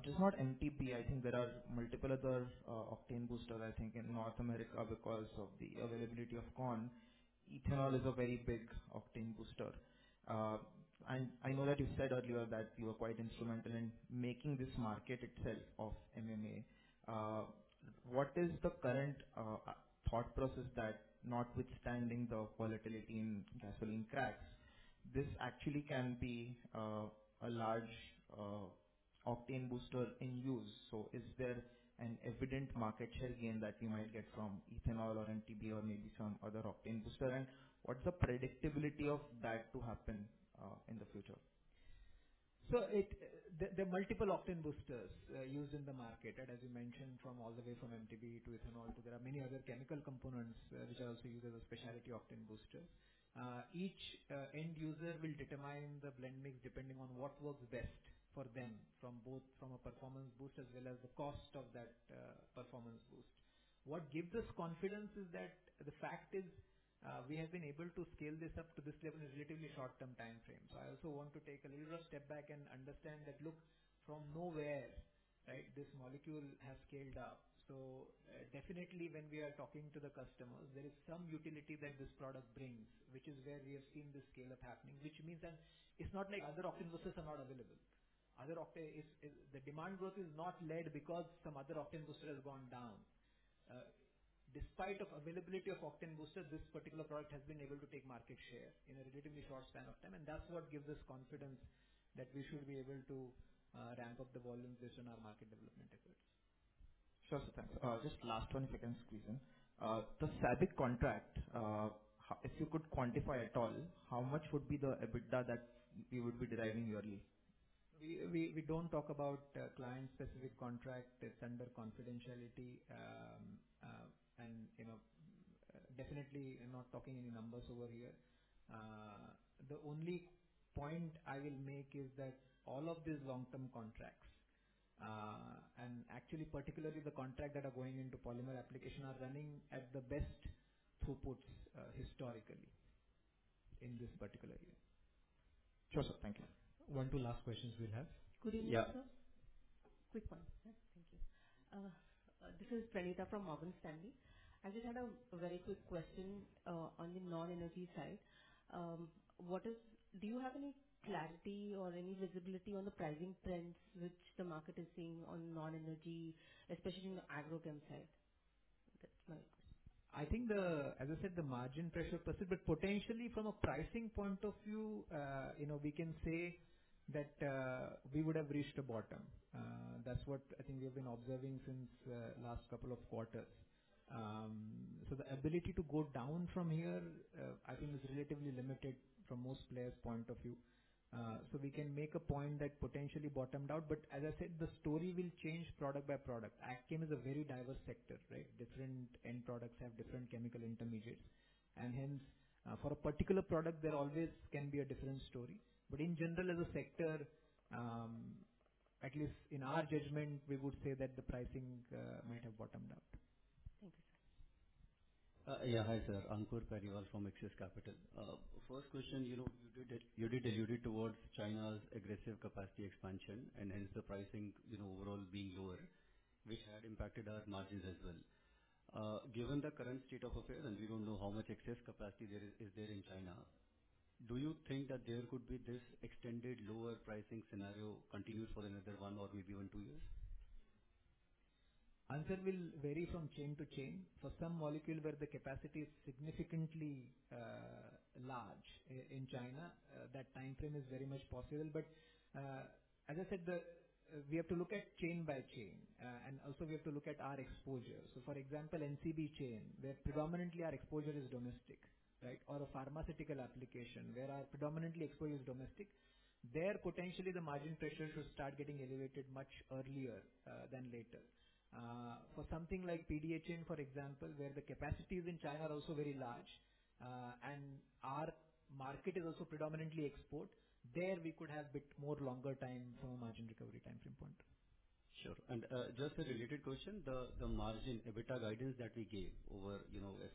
It is not MTBE. I think there are multiple other octane boosters, I think, in North America because of the availability of corn. Ethanol is a very big octane booster. And I know that you said earlier that you were quite instrumental in making this market itself of MMA. What is the current thought process that notwithstanding the volatility in gasoline cracks, this actually can be a large octane booster in use? So is there an evident market share gain that you might get from ethanol or MTBE or maybe some other octane booster? And what's the predictability of that to happen in the future? So there are multiple octane boosters used in the market. As you mentioned, all the way from MTBE to ethanol to there are many other chemical components which are also used as a specialty octane booster. Each end user will determine the blend mix depending on what works best for them from both a performance boost as well as the cost of that performance boost. What gives us confidence is that the fact is we have been able to scale this up to this level in a relatively short-term time frame. I also want to take a little bit of step back and understand that, look, from nowhere, right, this molecule has scaled up. So definitely when we are talking to the customers, there is some utility that this product brings, which is where we have seen this scale-up happening, which means that it's not like other octane boosters are not available. The demand growth is not led because some other octane booster has gone down. Despite the availability of octane booster, this particular product has been able to take market share in a relatively short span of time. And that's what gives us confidence that we should be able to ramp up the volume based on our market development efforts. Sure. Thanks. Just last one, if I can squeeze in. The SABIC contract, if you could quantify at all, how much would be the EBITDA that we would be deriving yearly? We don't talk about client-specific contract. It's under confidentiality. And definitely not talking any numbers over here. The only point I will make is that all of these long-term contracts and actually, particularly the contract that are going into polymer application are running at the best throughputs historically in this particular year. Sure. Thank you. One or two last questions we'll have. Could you repeat, sir? Yeah. Quick one. Yeah. Thank you. This is Pranita from Morgan Stanley. I just had a very quick question on the non-energy side. Do you have any clarity or any visibility on the pricing trends which the market is seeing on non-energy, especially in the agrochem side? That's my question. I think, as I said, the margin pressure per se. But potentially, from a pricing point of view, we can say that we would have reached a bottom. That's what I think we have been observing since the last couple of quarters. So the ability to go down from here, I think, is relatively limited from most players' point of view. So we can make a point that potentially bottomed out. But as I said, the story will change product by product. Agrochem is a very diverse sector, right? Different end products have different chemical intermediates. And hence, for a particular product, there always can be a different story. But in general, as a sector, at least in our judgment, we would say that the pricing might have bottomed out. Thank you, sir. Yeah. Hi, sir. Ankur Periwal from Axis Capital. First question, you did allude towards China's aggressive capacity expansion and hence the pricing overall being lower, which had impacted our margins as well. Given the current state of affairs, and we don't know how much excess capacity is there in China, do you think that there could be this extended lower pricing scenario continued for another one or maybe even two years? Answer will vary from chain to chain. For some molecules where the capacity is significantly large in China, that time frame is very much possible. But as I said, we have to look at chain by chain. And also, we have to look at our exposure. So for example, NCB chain, where predominantly our exposure is domestic, right, or a pharmaceutical application where our predominantly exposure is domestic, there potentially the margin pressure should start getting elevated much earlier than later. For something like PDCB chain, for example, where the capacities in China are also very large and our market is also predominantly export, there we could have a bit more longer time from a margin recovery time frame point. Sure. And just a related question, the margin EBITDA guidance that we gave over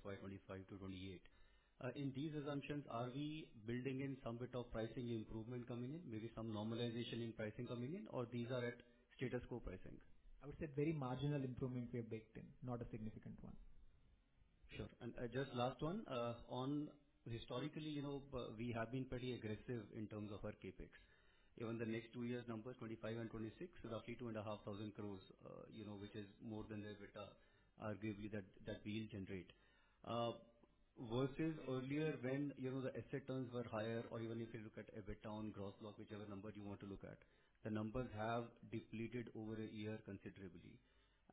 FY 2025 to 2028, in these assumptions, are we building in some bit of pricing improvement coming in, maybe some normalization in pricing coming in, or these are at status quo pricing? I would say very marginal improvement we have baked in, not a significant one. Sure. And just last one. Historically, we have been pretty aggressive in terms of our CapEx. Even the next two years' numbers, 2025 and 2026, roughly 2,500 crores, which is more than the EBITDA arguably that we'll generate. Versus earlier when the asset turns were higher, or even if you look at EBITDA on gross block, whichever number you want to look at, the numbers have depleted over a year considerably.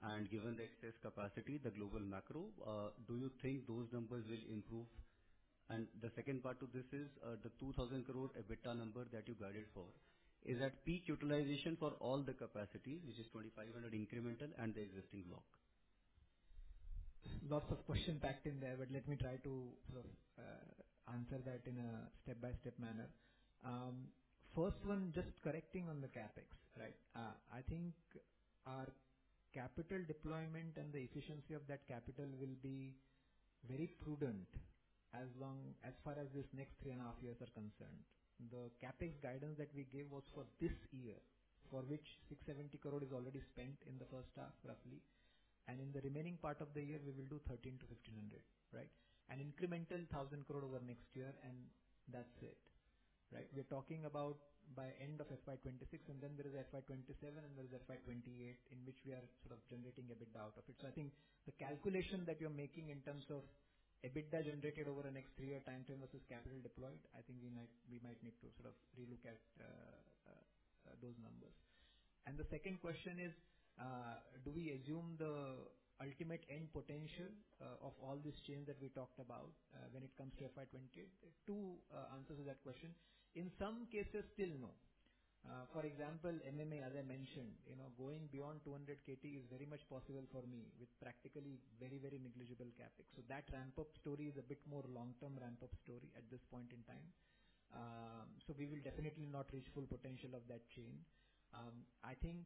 And given the excess capacity, the global macro, do you think those numbers will improve? And the second part to this is the 2,000 crore EBITDA number that you guided for. Is that peak utilization for all the capacity, which is 2,500 incremental and the existing block? Lots of questions packed in there, but let me try to sort of answer that in a step-by-step manner. First one, just correcting on the CapEx, right? I think our capital deployment and the efficiency of that capital will be very prudent as far as these next three and a half years are concerned. The CapEx guidance that we gave was for this year, for which 670 crore is already spent in the first half, roughly, and in the remaining part of the year, we will do 1,300 crore-1,500 crore, right, and incremental 1,000 crore over next year, and that's it, right? We're talking about by end of FY 2026, and then there is FY 2027, and there is FY 2028, in which we are sort of generating EBITDA out of it. So I think the calculation that you're making in terms of EBITDA generated over the next three-year time frame versus capital deployed, I think we might need to sort of relook at those numbers, and the second question is, do we assume the ultimate end potential of all this change that we talked about when it comes to FY 28? Two answers to that question. In some cases, still no. For example, MMA, as I mentioned, going beyond 200 KT is very much possible for me with practically very, very negligible CapEx. So that ramp-up story is a bit more long-term ramp-up story at this point in time. So we will definitely not reach full potential of that chain. I think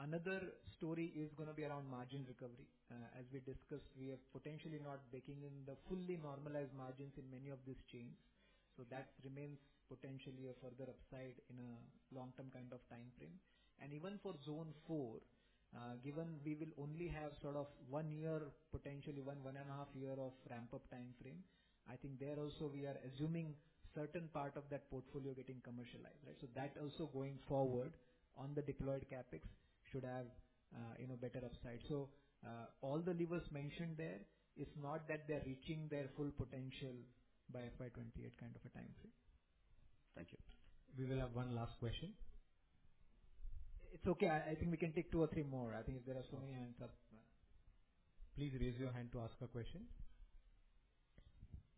another story is going to be around margin recovery. As we discussed, we are potentially not baking in the fully normalized margins in many of these chains. So that remains potentially a further upside in a long-term kind of time frame. And even for zone four, given we will only have sort of one year, potentially one, one and a half year of ramp-up time frame, I think there also we are assuming certain part of that portfolio getting commercialized, right? So that also going forward on the deployed CapEx should have better upside. So all the levers mentioned there, it's not that they're reaching their full potential by FY 28 kind of a time frame. Thank you. We will have one last question. It's okay. I think we can take two or three more. I think there are so many hands up. Please raise your hand to ask a question.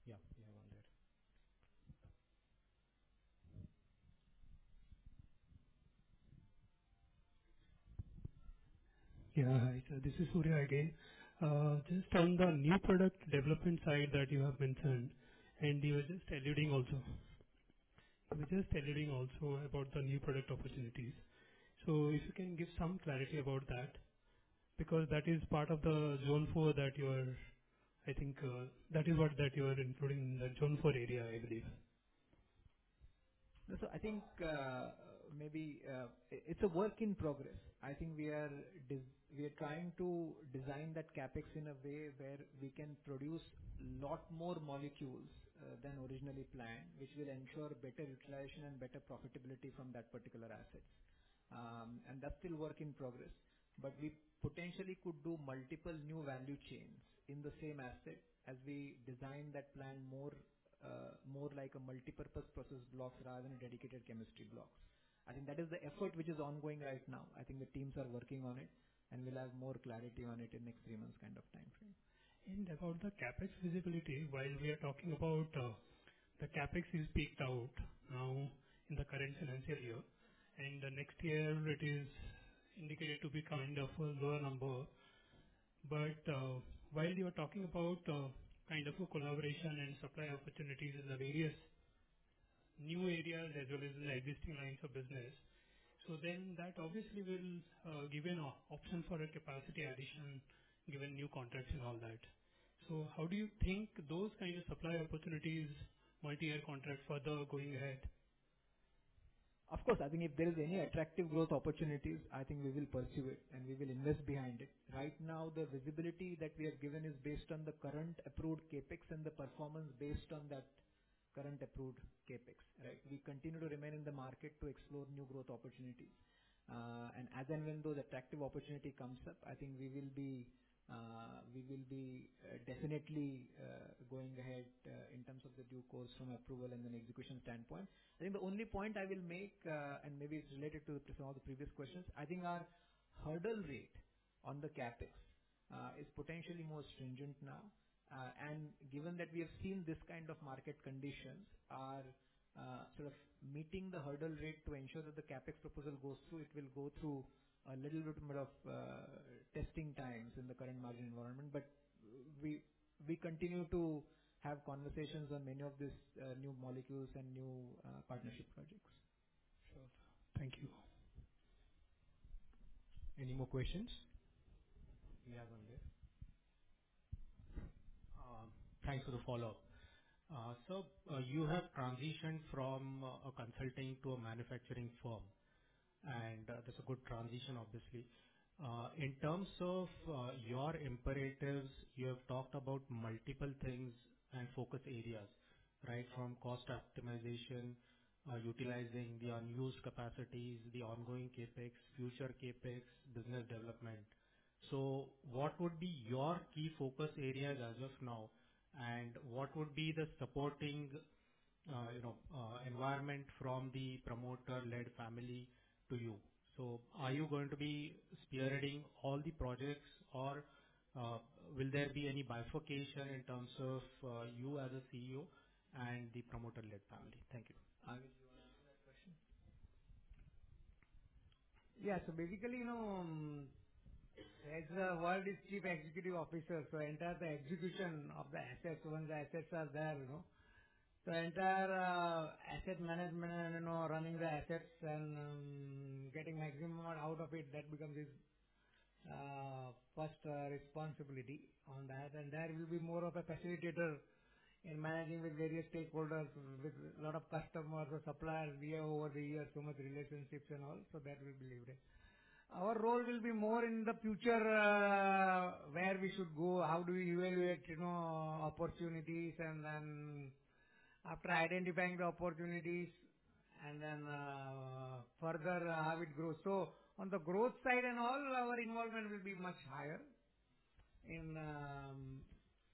Yeah. You have one there. Yeah. Hi, sir. This is Surya again. Just on the new product development side that you have mentioned, and you were just alluding also about the new product opportunities. So if you can give some clarity about that, because that is part of the Zone 4 that you are, I think that is what you are including in the Zone 4 area, I believe. So I think maybe it's a work in progress. I think we are trying to design that CapEx in a way where we can produce a lot more molecules than originally planned, which will ensure better utilization and better profitability from that particular assets. And that's still work in progress. But we potentially could do multiple new value chains in the same asset as we design that plan more like a multi-purpose process blocks rather than dedicated chemistry blocks. I think that is the effort which is ongoing right now. I think the teams are working on it, and we'll have more clarity on it in the next three months' kind of time frame. And about the CapEx visibility, while we are talking about the CapEx is peaked out now in the current financial year, and next year it is indicated to be kind of a lower number. But while you are talking about kind of a collaboration and supply opportunities in the various new areas as well as in the existing lines of business, so then that obviously will give an option for a capacity addition given new contracts and all that. So how do you think those kind of supply opportunities, multi-year contract further going ahead? Of course. I think if there is any attractive growth opportunities, I think we will pursue it, and we will invest behind it. Right now, the visibility that we have given is based on the current approved CapEx and the performance based on that current approved CapEx, right? We continue to remain in the market to explore new growth opportunities. And as and when those attractive opportunities come up, I think we will be definitely going ahead in terms of the due course from approval and then execution standpoint. I think the only point I will make, and maybe it's related to some of the previous questions, I think our hurdle rate on the CapEx is potentially more stringent now. And given that we have seen this kind of market conditions are sort of meeting the hurdle rate to ensure that the CapEx proposal goes through, it will go through a little bit more of testing times in the current market environment. But we continue to have conversations on many of these new molecules and new partnership projects. Sure. Thank you. Any more questions? We have one there. Thanks for the follow-up. Sir, you have transitioned from a consulting to a manufacturing firm. And that's a good transition, obviously. In terms of your imperatives, you have talked about multiple things and focus areas, right, from cost optimization, utilizing the unused capacities, the ongoing CapEx, future CapEx, business development. So what would be your key focus areas as of now, and what would be the supporting environment from the promoter-led family to you? So are you going to be spearheading all the projects, or will there be any bifurcation in terms of you as a CEO and the promoter-led family? Thank you. Ankur, did you answer that question? Yeah. So basically, as the CEO is Chief Executive Officer, so the entire execution of the assets once the assets are there. So the entire asset management and running the assets and getting maximum out of it, that becomes his first responsibility on that. And we will be more of a facilitator in managing with various stakeholders, with a lot of customers or suppliers we have over the years, so many relationships and all. Our role will be more in the future where we should go, how do we evaluate opportunities, and then after identifying the opportunities, and then further how it grows. So on the growth side and all, our involvement will be much higher in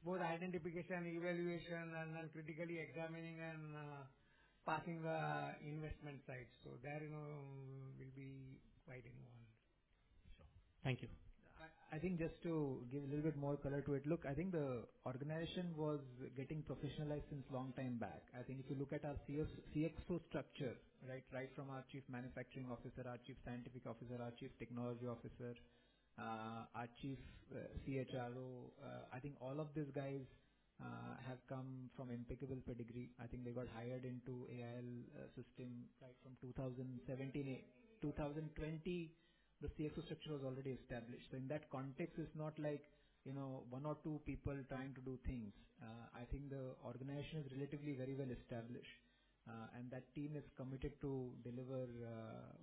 both identification, evaluation, and then critically examining and passing the investment side. So there we'll be quite involved. Sure. Thank you. I think just to give a little bit more color to it, look, I think the organization was getting professionalized since a long time back. I think if you look at our CXO structure, right, right from our Chief Manufacturing Officer, our Chief Scientific Officer, our Chief Technology Officer, our Chief CHRO, I think all of these guys have come from impeccable pedigree. I think they got hired into AIL system right from 2017. In 2020, the CXO structure was already established. So in that context, it's not like one or two people trying to do things. I think the organization is relatively very well established, and that team is committed to deliver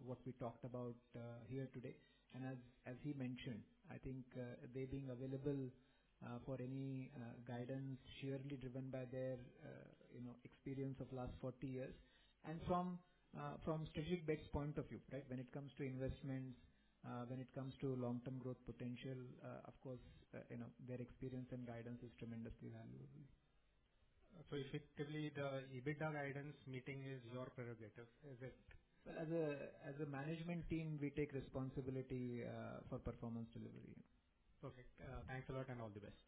what we talked about here today. And as he mentioned, I think they being available for any guidance, surely driven by their experience of last 40 years. And from strategic bets point of view, right, when it comes to investments, when it comes to long-term growth potential, of course, their experience and guidance is tremendously valuable. So effectively, the EBITDA guidance meeting is your prerogative, is it? Well, as a management team, we take responsibility for performance delivery. Perfect. Thanks a lot and all the best.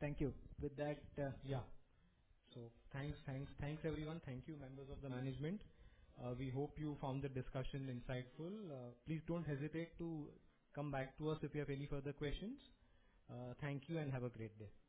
Thank you. With that, yeah. So thanks, thanks, thanks everyone. Thank you, members of the management. We hope you found the discussion insightful. Please don't hesitate to come back to us if you have any further questions. Thank you and have a great day.